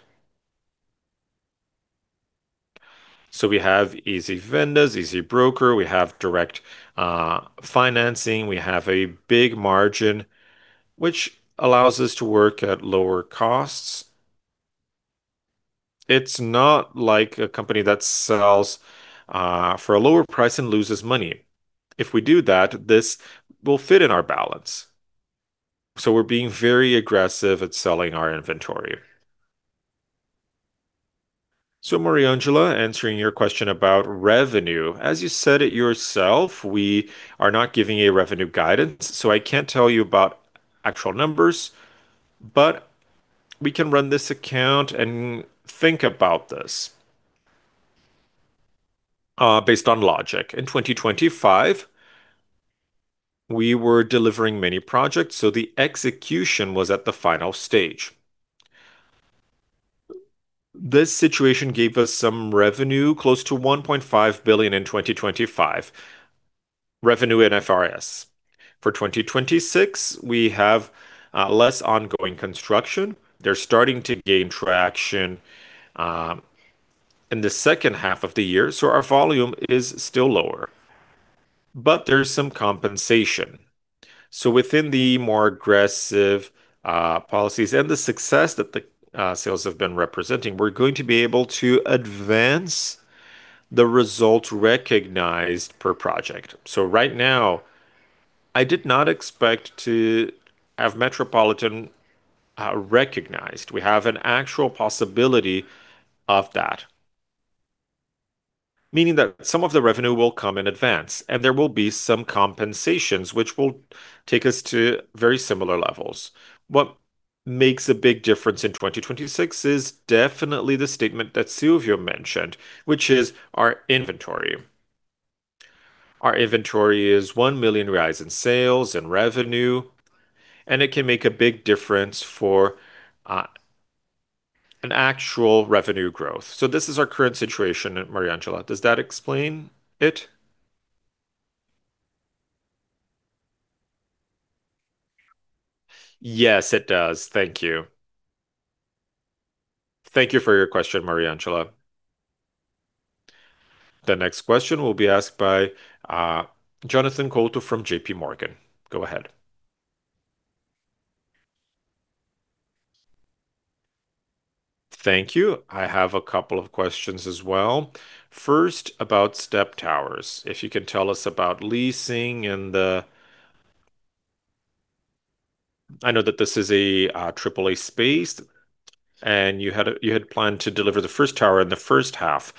S1: We have EZ Vendas, EZ Brokers. We have direct financing. We have a big margin, which allows us to work at lower costs.
S4: It's not like a company that sells for a lower price and loses money. If we do that, this will fit in our balance. We're being very aggressive at selling our inventory. Mariangela, answering your question about revenue, as you said it yourself, we are not giving a revenue guidance, so I can't tell you about actual numbers. We can run this account and think about this based on logic. In 2025, we were delivering many projects, so the execution was at the final stage. This situation gave us some revenue, close to 1.5 billion in 2025 revenue IFRS. For 2026, we have less ongoing construction. They're starting to gain traction in the second half of the year, so our volume is still lower.
S1: There's some compensation within the more aggressive policies and the success that the sales have been representing. We're going to be able to advance the results recognized per project. Right now, I did not expect to have Metropolitan recognized. We have an actual possibility of that, meaning that some of the revenue will come in advance, and there will be some compensations which will take us to very similar levels. What makes a big difference in 2026 is definitely the statement that Silvio mentioned, which is our inventory. Our inventory is 1 million reais in sales and revenue, and it can make a big difference for an actual revenue growth. This is our current situation, Mariangela. Does that explain it? Yes, it does. Thank you. Thank you for your question, Mariangela.
S8: The next question will be asked by Jonathan Koutras from JPMorgan. Go ahead. Thank you. I have a couple of questions as well. First, about EZ Towers, if you can tell us about leasing and the. I know that this is a triple-A space, and you had planned to deliver the first tower in the first half.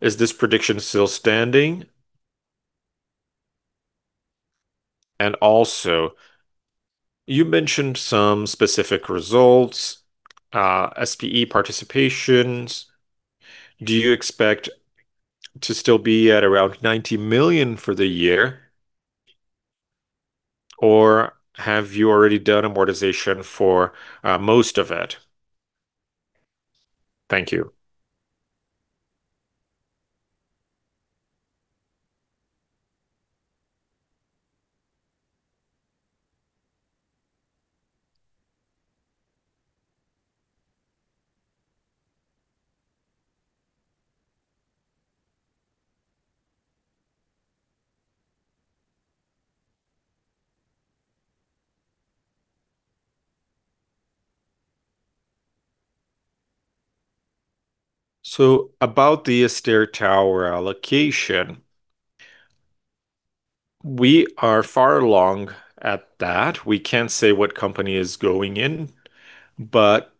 S8: Is this prediction still standing? And also, you mentioned some specific results, SPE participations. Do you expect to still be at around 90 million for the year, or have you already done amortization for most of it? Thank you. About the EZ Tower allocation, we are far along at that. We can't say what company is going in, but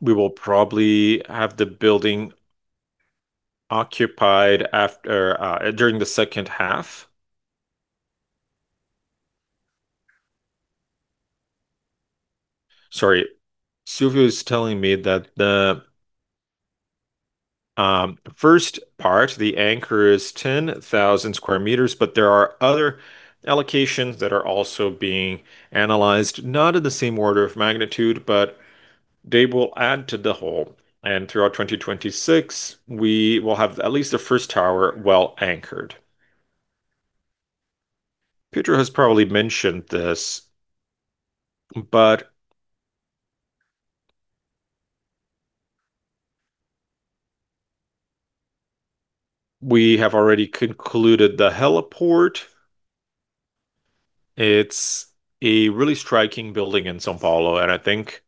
S8: we will probably have the building occupied during the second half. Sorry.
S4: Silvio is telling me that the first part, the anchor is 10,000 square meters, but there are other allocations that are also being analyzed, not at the same order of magnitude, but they will add to the whole. Throughout 2026, we will have at least the first tower well-anchored. Pedro has probably mentioned this, but we have already concluded the heliport. It's a really striking building in São Paulo, and I think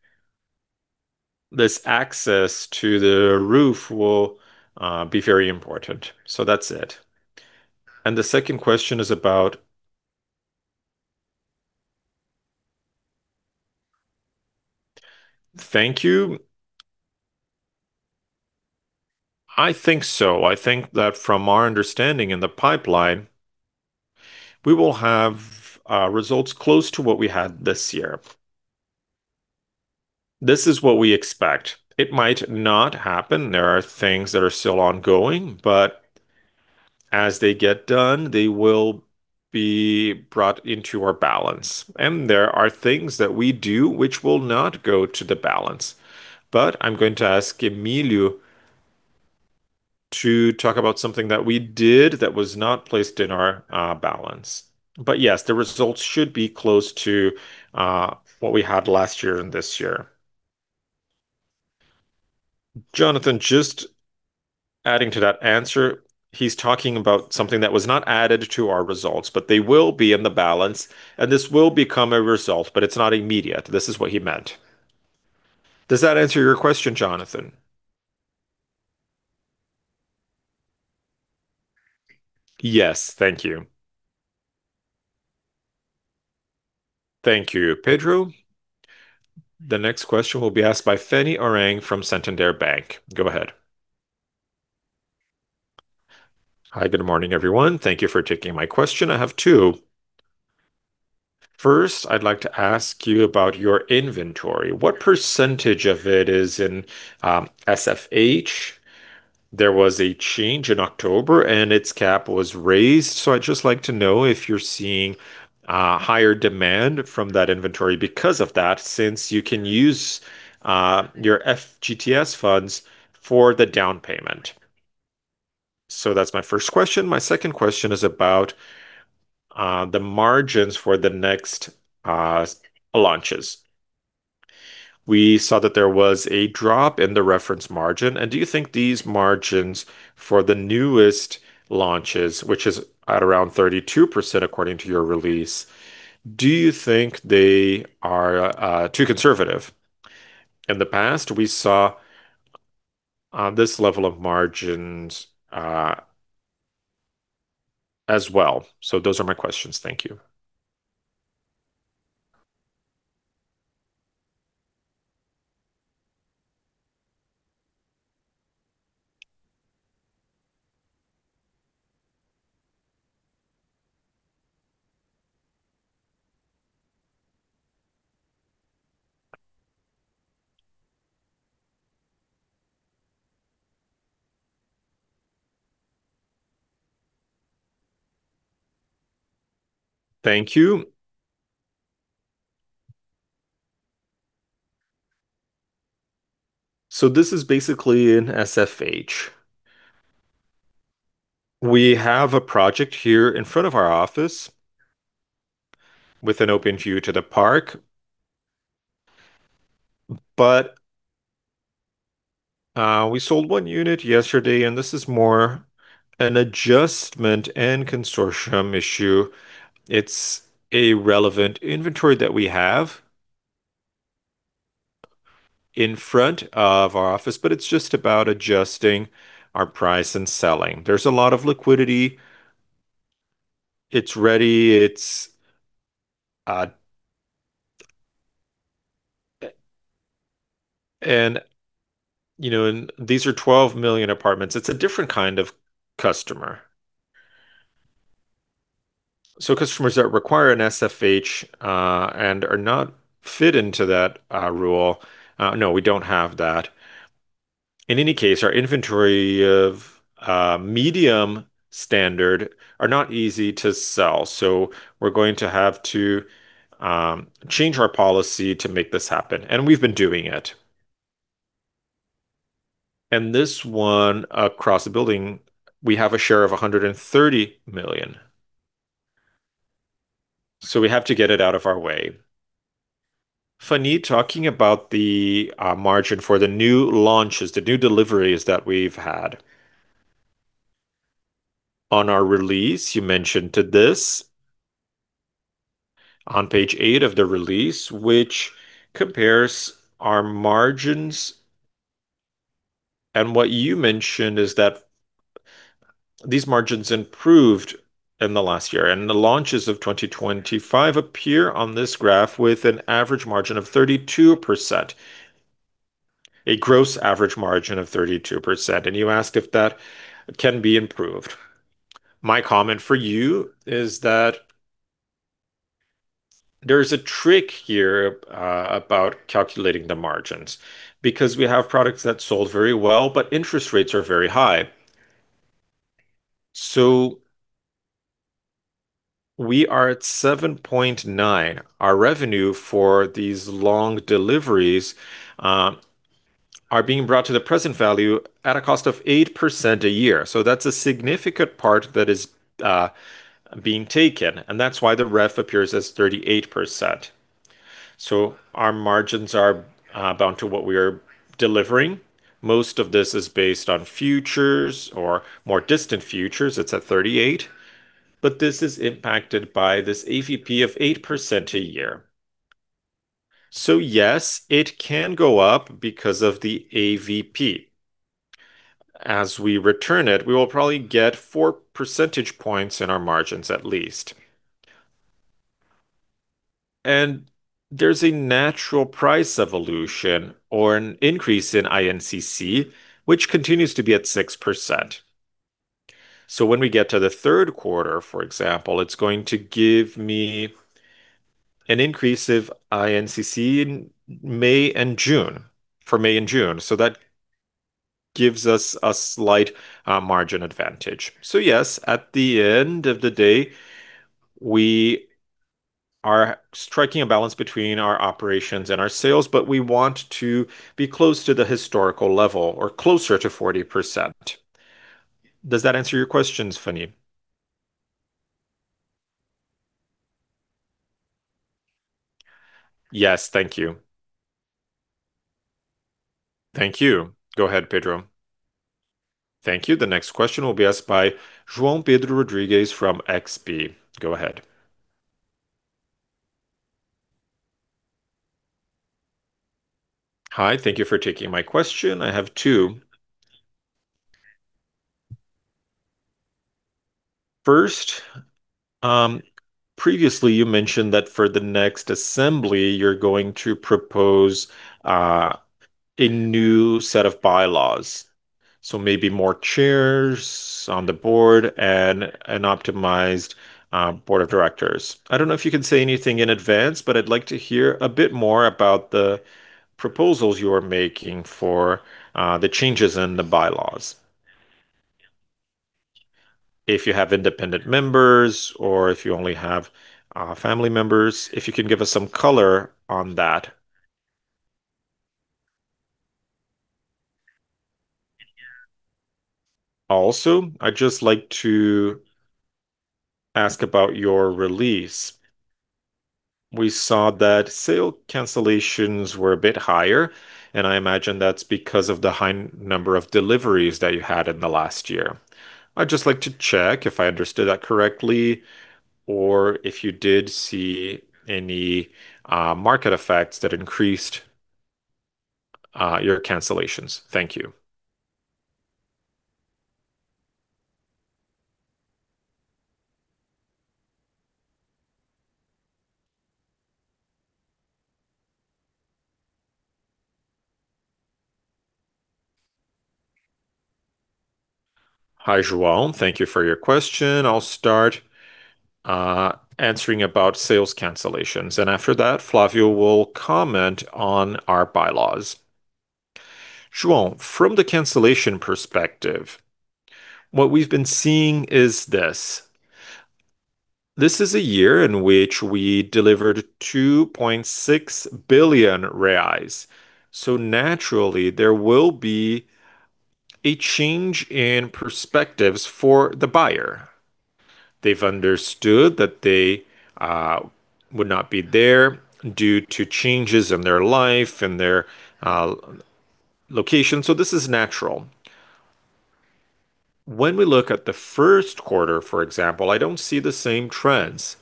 S4: this access to the roof will be very important. That's it. The second question is about. Thank you. I think so. I think that from our understanding in the pipeline, we will have results close to what we had this year. This is what we expect. It might not happen. There are things that are still ongoing, but as they get done, they will be brought into our balance.
S1: There are things that we do which will not go to the balance. I'm going to ask Emilio to talk about something that we did that was not placed in our balance. Yes, the results should be close to what we had last year and this year. Jonathan, just adding to that answer, he's talking about something that was not added to our results, but they will be in the balance, and this will become a result, but it's not immediate. This is what he meant. Does that answer your question, Jonathan? Yes. Thank you. Thank you, Pedro. The next question will be asked by Fanny Oreng from Santander. Go ahead. Hi. Good morning, everyone. Thank you for taking my question. I have two. First, I'd like to ask you about your inventory. What percentage of it is in SFH?
S9: There was a change in October, and its cap was raised, so I'd just like to know if you're seeing higher demand from that inventory because of that, since you can use your FGTS funds for the down payment. That's my first question. My second question is about the margins for the next launches. We saw that there was a drop in the REF margin. Do you think these margins for the newest launches, which is at around 32% according to your release, do you think they are too conservative? In the past, we saw this level of margins as well. Those are my questions. Thank you. Thank you. This is basically an SFH. We have a project here in front of our office with an open view to the park.
S2: We sold one unit yesterday, and this is more an adjustment and consortium issue. It's a relevant inventory that we have in front of our office, but it's just about adjusting our price and selling. There's a lot of liquidity. It's ready. You know, these are 12 million apartments. It's a different kind of customer. Customers that require an SFH and are not fit into that rule. No, we don't have that. In any case, our inventory of medium standard are not easy to sell. We're going to have to change our policy to make this happen. We've been doing it. This one across the building, we have a share of 130 million. We have to get it out of our way.
S4: Fanny Oreng talking about the margin for the new launches, the new deliveries that we've had. On our release, you mentioned this on page 8 of the release, which compares our margins. What you mentioned is that these margins improved in the last year, and the launches of 2025 appear on this graph with an average margin of 32%, a gross average margin of 32%. You ask if that can be improved. My comment for you is that there is a trick here about calculating the margins, because we have products that sold very well, but interest rates are very high. We are at 7.9. Our revenue for these long deliveries are being brought to the present value at a cost of 8% a year.
S1: That's a significant part that is being taken, and that's why the REF appears as 38%. Our margins are bound to what we are delivering. Most of this is based on futures or more distant futures. It's at 38%. This is impacted by this AVP of 8% a year. Yes, it can go up because of the AVP. As we return it, we will probably get four percentage points in our margins at least. There's a natural price evolution or an increase in INCC, which continues to be at 6%. When we get to the third quarter, for example, it's going to give me an increase of INCC in May and June. That gives us a slight margin advantage. Yes, at the end of the day, we are striking a balance between our operations and our sales, but we want to be close to the historical level or closer to 40%. Does that answer your questions, Fanny? Yes. Thank you. Thank you. Go ahead, Pedro. Thank you. The next question will be asked by João Rodrigues from XP. Go ahead. Hi. Thank you for taking my question. I have two. First, previously, you mentioned that for the next assembly, you're going to propose a new set of bylaws, so maybe more chairs on the board and an optimized board of directors. I don't know if you can say anything in advance, but I'd like to hear a bit more about the proposals you are making for the changes in the bylaws.
S10: If you have independent members or if you only have family members, if you can give us some color on that. Also, I'd just like to ask about your release. We saw that sale cancellations were a bit higher, and I imagine that's because of the high number of deliveries that you had in the last year. I'd just like to check if I understood that correctly or if you did see any market effects that increased your cancellations. Thank you. Hi, João. Thank you for your question. I'll start answering about sales cancellations, and after that, Flávio will comment on our bylaws. João, from the cancellation perspective, what we've been seeing is this. This is a year in which we delivered 2.6 billion reais. So naturally, there will be a change in perspectives for the buyer.
S2: They've understood that they would not be there due to changes in their life and their location. This is natural. When we look at the first quarter, for example, I don't see the same trends.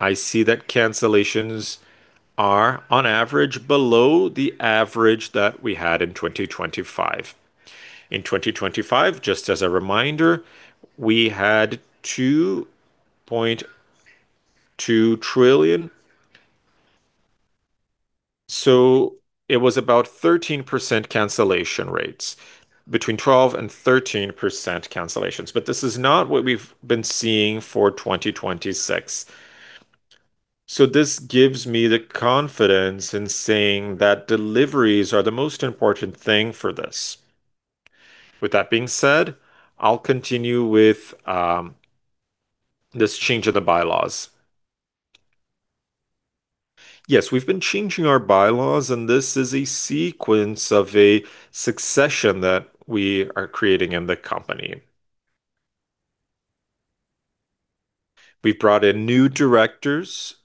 S2: I see that cancellations are on average below the average that we had in 2025. In 2025, just as a reminder, we had 2.2 trillion. It was about 13% cancellation rates, between 12% and 13% cancellations. This is not what we've been seeing for 2026. This gives me the confidence in saying that deliveries are the most important thing for this. With that being said, I'll continue with this change of the bylaws. Yes, we've been changing our bylaws, and this is a sequence of a succession that we are creating in the company.
S3: We brought in new directors,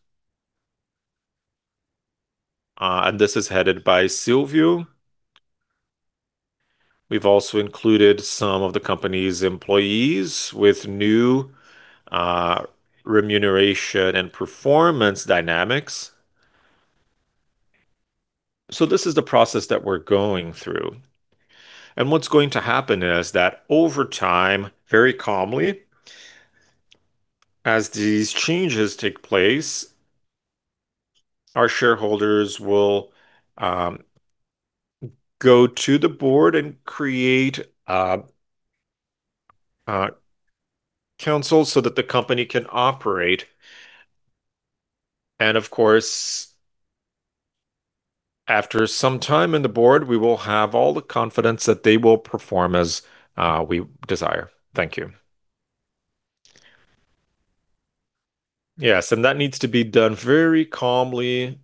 S3: and this is headed by Silvio. We've also included some of the company's employees with new remuneration and performance dynamics. This is the process that we're going through. What's going to happen is that over time, very calmly, as these changes take place, our shareholders will go to the board and create a council so that the company can operate. Of course, after some time in the board, we will have all the confidence that they will perform as we desire. Thank you. Yes. That needs to be done very calmly,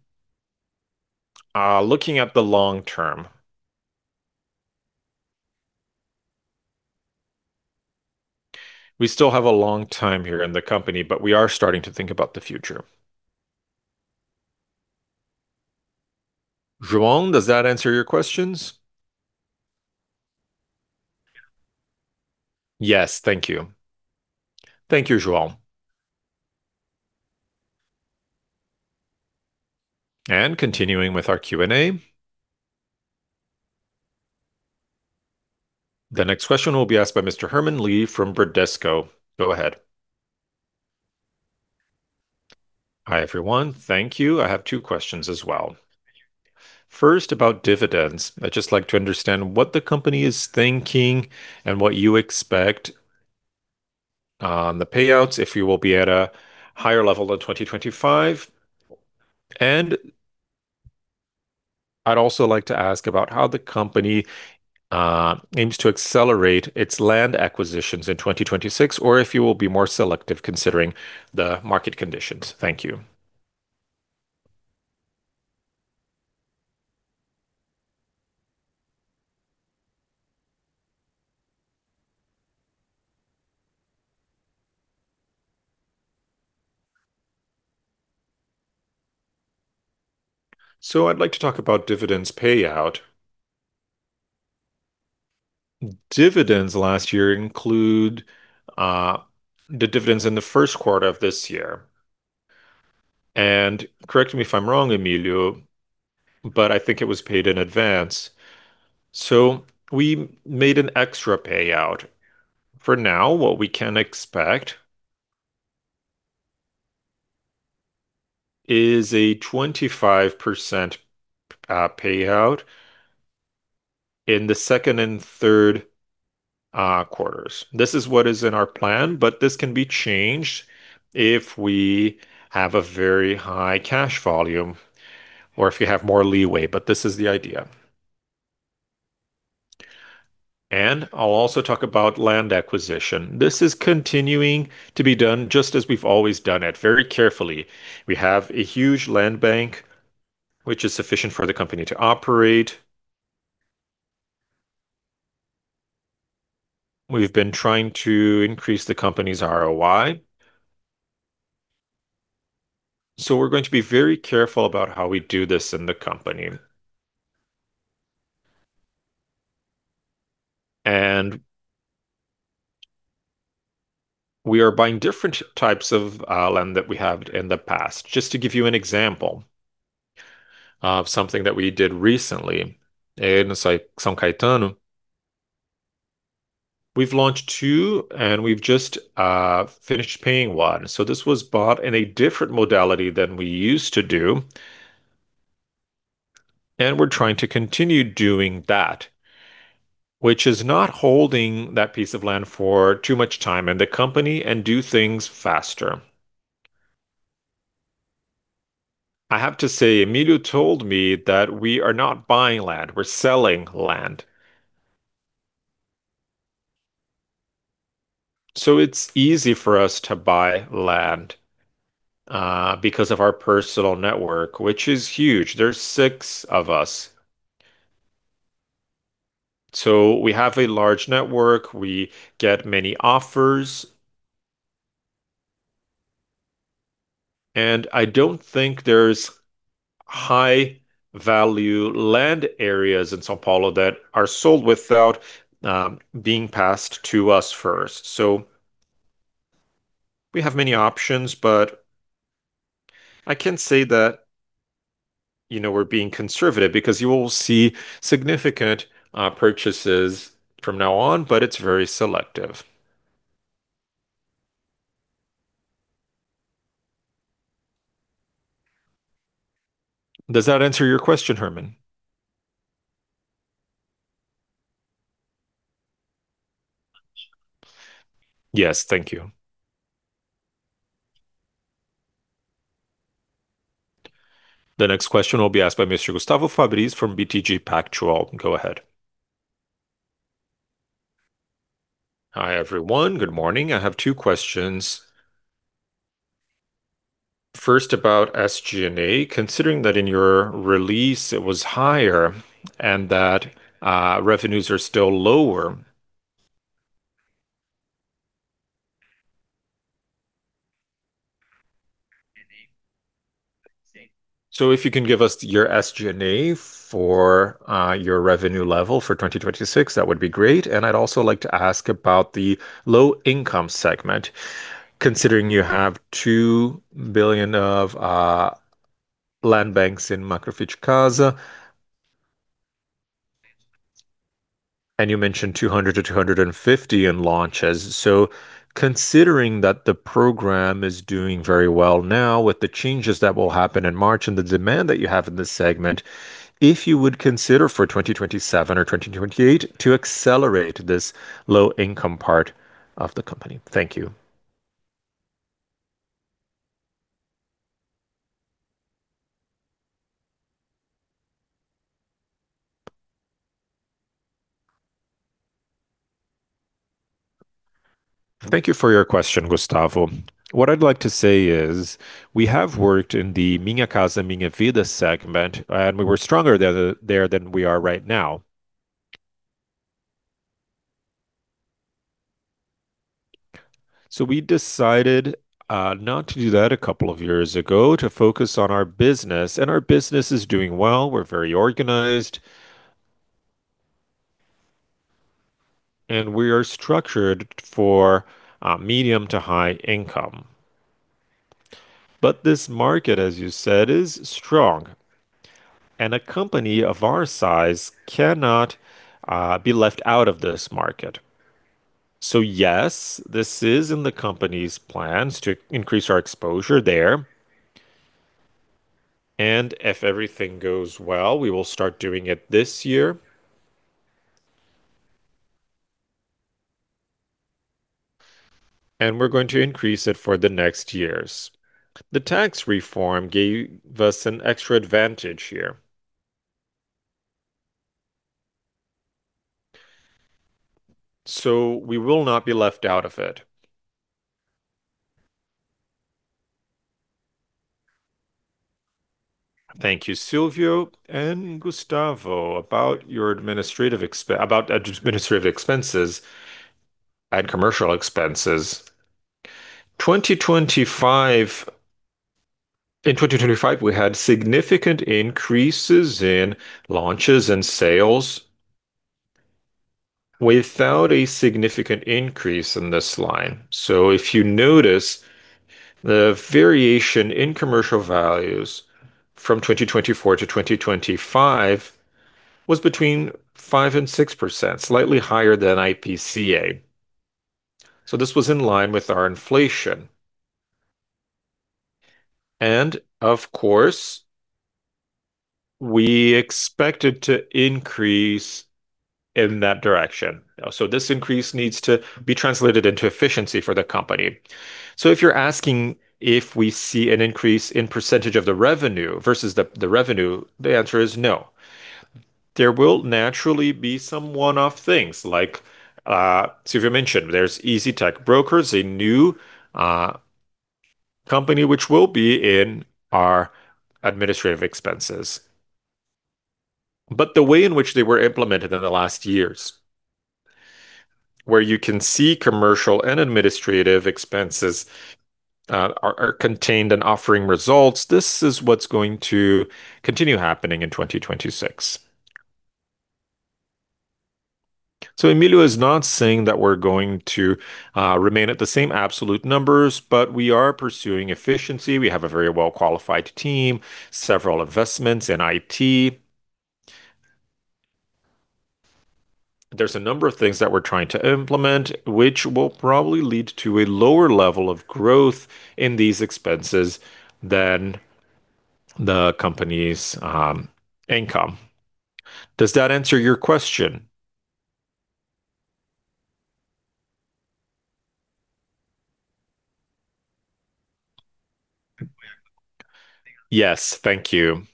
S3: looking at the long term. We still have a long time here in the company, but we are starting to think about the future. João, does that answer your questions? Yes. Thank you. Thank you, João. Continuing with our Q&A.
S11: The next question will be asked by Mr. Herman Stipp from Bradesco BBI. Go ahead. Hi, everyone. Thank you. I have two questions as well. First, about dividends. I'd just like to understand what the company is thinking and what you expect on the payouts if you will be at a higher level than 2025. I'd also like to ask about how the company aims to accelerate its land acquisitions in 2026, or if you will be more selective considering the market conditions. Thank you. I'd like to talk about dividends payout. Dividends last year include the dividends in the first quarter of this year. Correct me if I'm wrong, Emílio, but I think it was paid in advance. We made an extra payout. For now, what we can expect is a 25% payout in the second and third quarters.
S2: This is what is in our plan, but this can be changed if we have a very high cash volume or if you have more leeway. This is the idea. I'll also talk about land acquisition. This is continuing to be done just as we've always done it, very carefully. We have a huge land bank which is sufficient for the company to operate. We've been trying to increase the company's ROI. We're going to be very careful about how we do this in the company. We are buying different types of land that we have in the past. Just to give you an example of something that we did recently in São Caetano. We've launched 2, and we've just finished paying 1. This was bought in a different modality than we used to do.
S1: We're trying to continue doing that, which is not holding that piece of land for too much time in the company and do things faster. I have to say, Emílio told me that we are not buying land, we're selling land. It's easy for us to buy land because of our personal network, which is huge. There's six of us. We have a large network. We get many offers. I don't think there's high value land areas in São Paulo that are sold without being passed to us first. We have many options, but I can say that, you know, we're being conservative because you will see significant purchases from now on, but it's very selective. Does that answer your question, Herman? Yes. Thank you. The next question will be asked by Mr. Gustavo Cambauva from BTG Pactual. Go ahead. Hi, everyone.
S12: Good morning. I have two questions. First, about SG&A. Considering that in your release it was higher and that revenues are still lower. If you can give us your SG&A for your revenue level for 2026, that would be great. I'd also like to ask about the low income segment, considering you have 2 billion of land banks in Minha Casa, Minha Vida. You mentioned 200 million to 250 million in launches. Considering that the program is doing very well now with the changes that will happen in March and the demand that you have in this segment, if you would consider for 2027 or 2028 to accelerate this low income part of the company. Thank you. Thank you for your question, Gustavo.
S2: What I'd like to say is we have worked in the Minha Casa, Minha Vida segment, and we were stronger there than we are right now. We decided not to do that a couple of years ago to focus on our business, and our business is doing well. We're very organized. We are structured for medium to high income. This market, as you said, is strong, and a company of our size cannot be left out of this market. Yes, this is in the company's plans to increase our exposure there. If everything goes well, we will start doing it this year. We're going to increase it for the next years. The tax reform gave us an extra advantage here. We will not be left out of it. Thank you, Silvio and Gustavo.
S4: About administrative expenses and commercial expenses, in 2025, we had significant increases in launches and sales without a significant increase in this line. If you notice, the variation in commercial values from 2024 to 2025 was between 5% and 6%, slightly higher than IPCA. This was in line with our inflation. Of course, we expected to increase in that direction. This increase needs to be translated into efficiency for the company. If you're asking if we see an increase in percentage of the revenue versus the revenue, the answer is no. There will naturally be some one-off things like, Silvio mentioned, there's EZTEC Brokers, a new company which will be in our administrative expenses.
S1: The way in which they were implemented in the last years, where you can see commercial and administrative expenses are contained and offering results, this is what's going to continue happening in 2026. Emílio is not saying that we're going to remain at the same absolute numbers, but we are pursuing efficiency. We have a very well-qualified team, several investments in IT. There's a number of things that we're trying to implement which will probably lead to a lower level of growth in these expenses than the company's income. Does that answer your question? Yes. Thank you,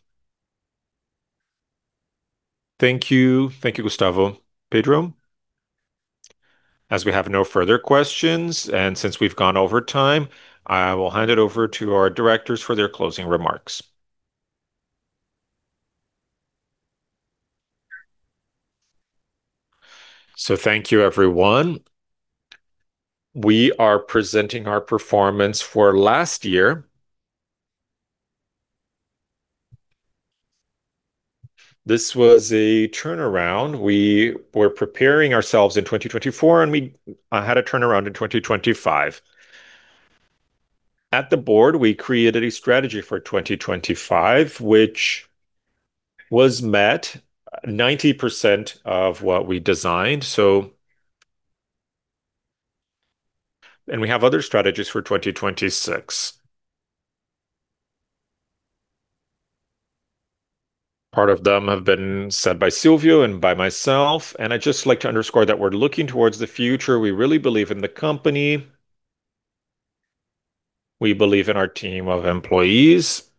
S1: Gustavo. Pedro? We have no further questions, and since we've gone over time, I will hand it over to our directors for their closing remarks. Thank you everyone. We are presenting our performance for last year. This was a turnaround.
S3: We were preparing ourselves in 2024, and we had a turnaround in 2025. At the board, we created a strategy for 2025, which was met 90% of what we designed. We have other strategies for 2026. Part of them have been said by Silvio and by myself, and I'd just like to underscore that we're looking toward the future. We really believe in the company. We believe in our team of employees.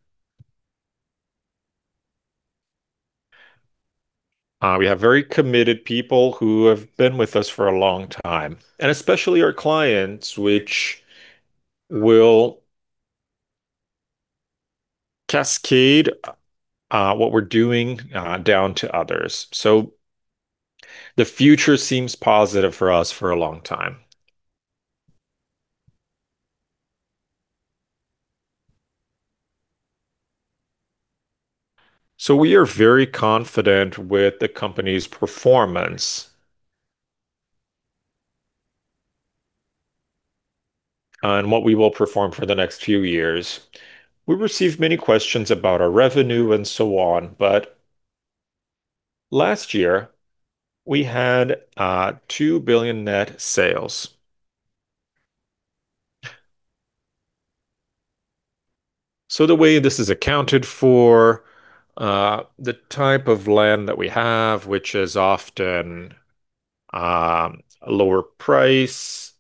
S3: We have very committed people who have been with us for a long time. Especially our clients, which will cascade what we're doing down to others. The future seems positive for us for a long time. We are very confident with the company's performance and what we will perform for the next few years.
S2: We received many questions about our revenue and so on, but last year we had 2 billion net sales. The way this is accounted for, the type of land that we have, which is often a lower price.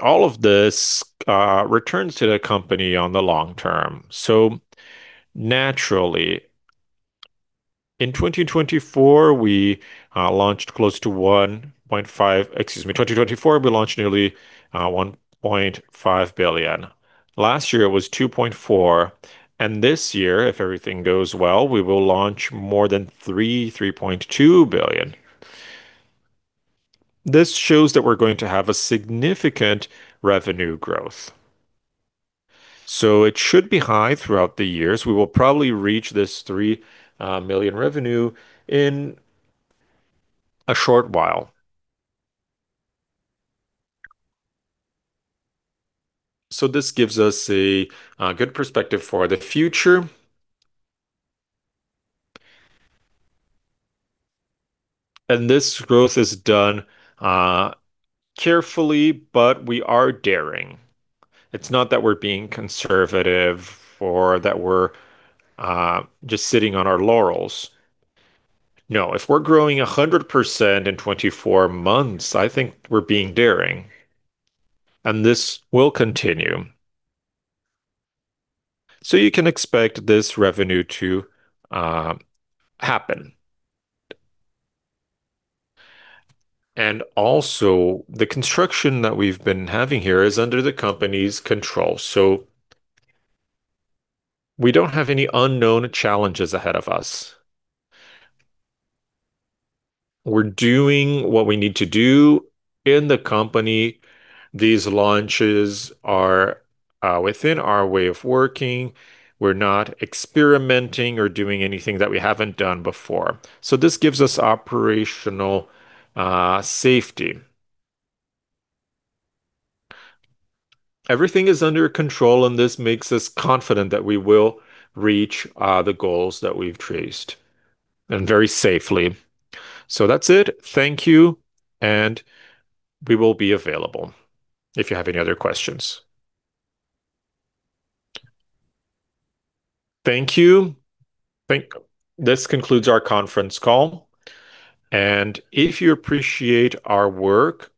S2: All of this returns to the company on the long term. Naturally, in 2024, we launched nearly 1.5 billion. Last year it was 2.4 billion, and this year, if everything goes well, we will launch more than 3.2 billion. This shows that we're going to have a significant revenue growth. It should be high throughout the years. We will probably reach this 3 million revenue in a short while. This gives us a good perspective for the future.
S1: This growth is done carefully, but we are daring. It's not that we're being conservative or that we're just sitting on our laurels. No. If we're growing 100% in 24 months, I think we're being daring, and this will continue. You can expect this revenue to happen. Also, the construction that we've been having here is under the company's control, so we don't have any unknown challenges ahead of us. We're doing what we need to do in the company. These launches are within our way of working. We're not experimenting or doing anything that we haven't done before. This gives us operational safety. Everything is under control, and this makes us confident that we will reach the goals that we've traced, and very safely. That's it. Thank you, and we will be available if you have any other questions. Thank you. This concludes our conference call. If you appreciate our work,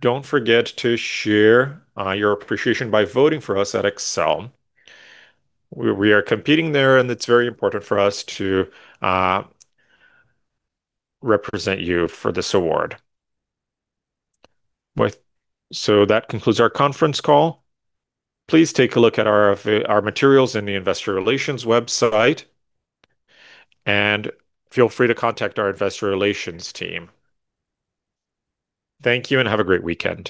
S1: don't forget to share your appreciation by voting for us at Extel. We are competing there, and it's very important for us to represent you for this award. That concludes our conference call. Please take a look at our materials in the Investor Relations website, and feel free to contact our Investor Relations team. Thank you, and have a great weekend.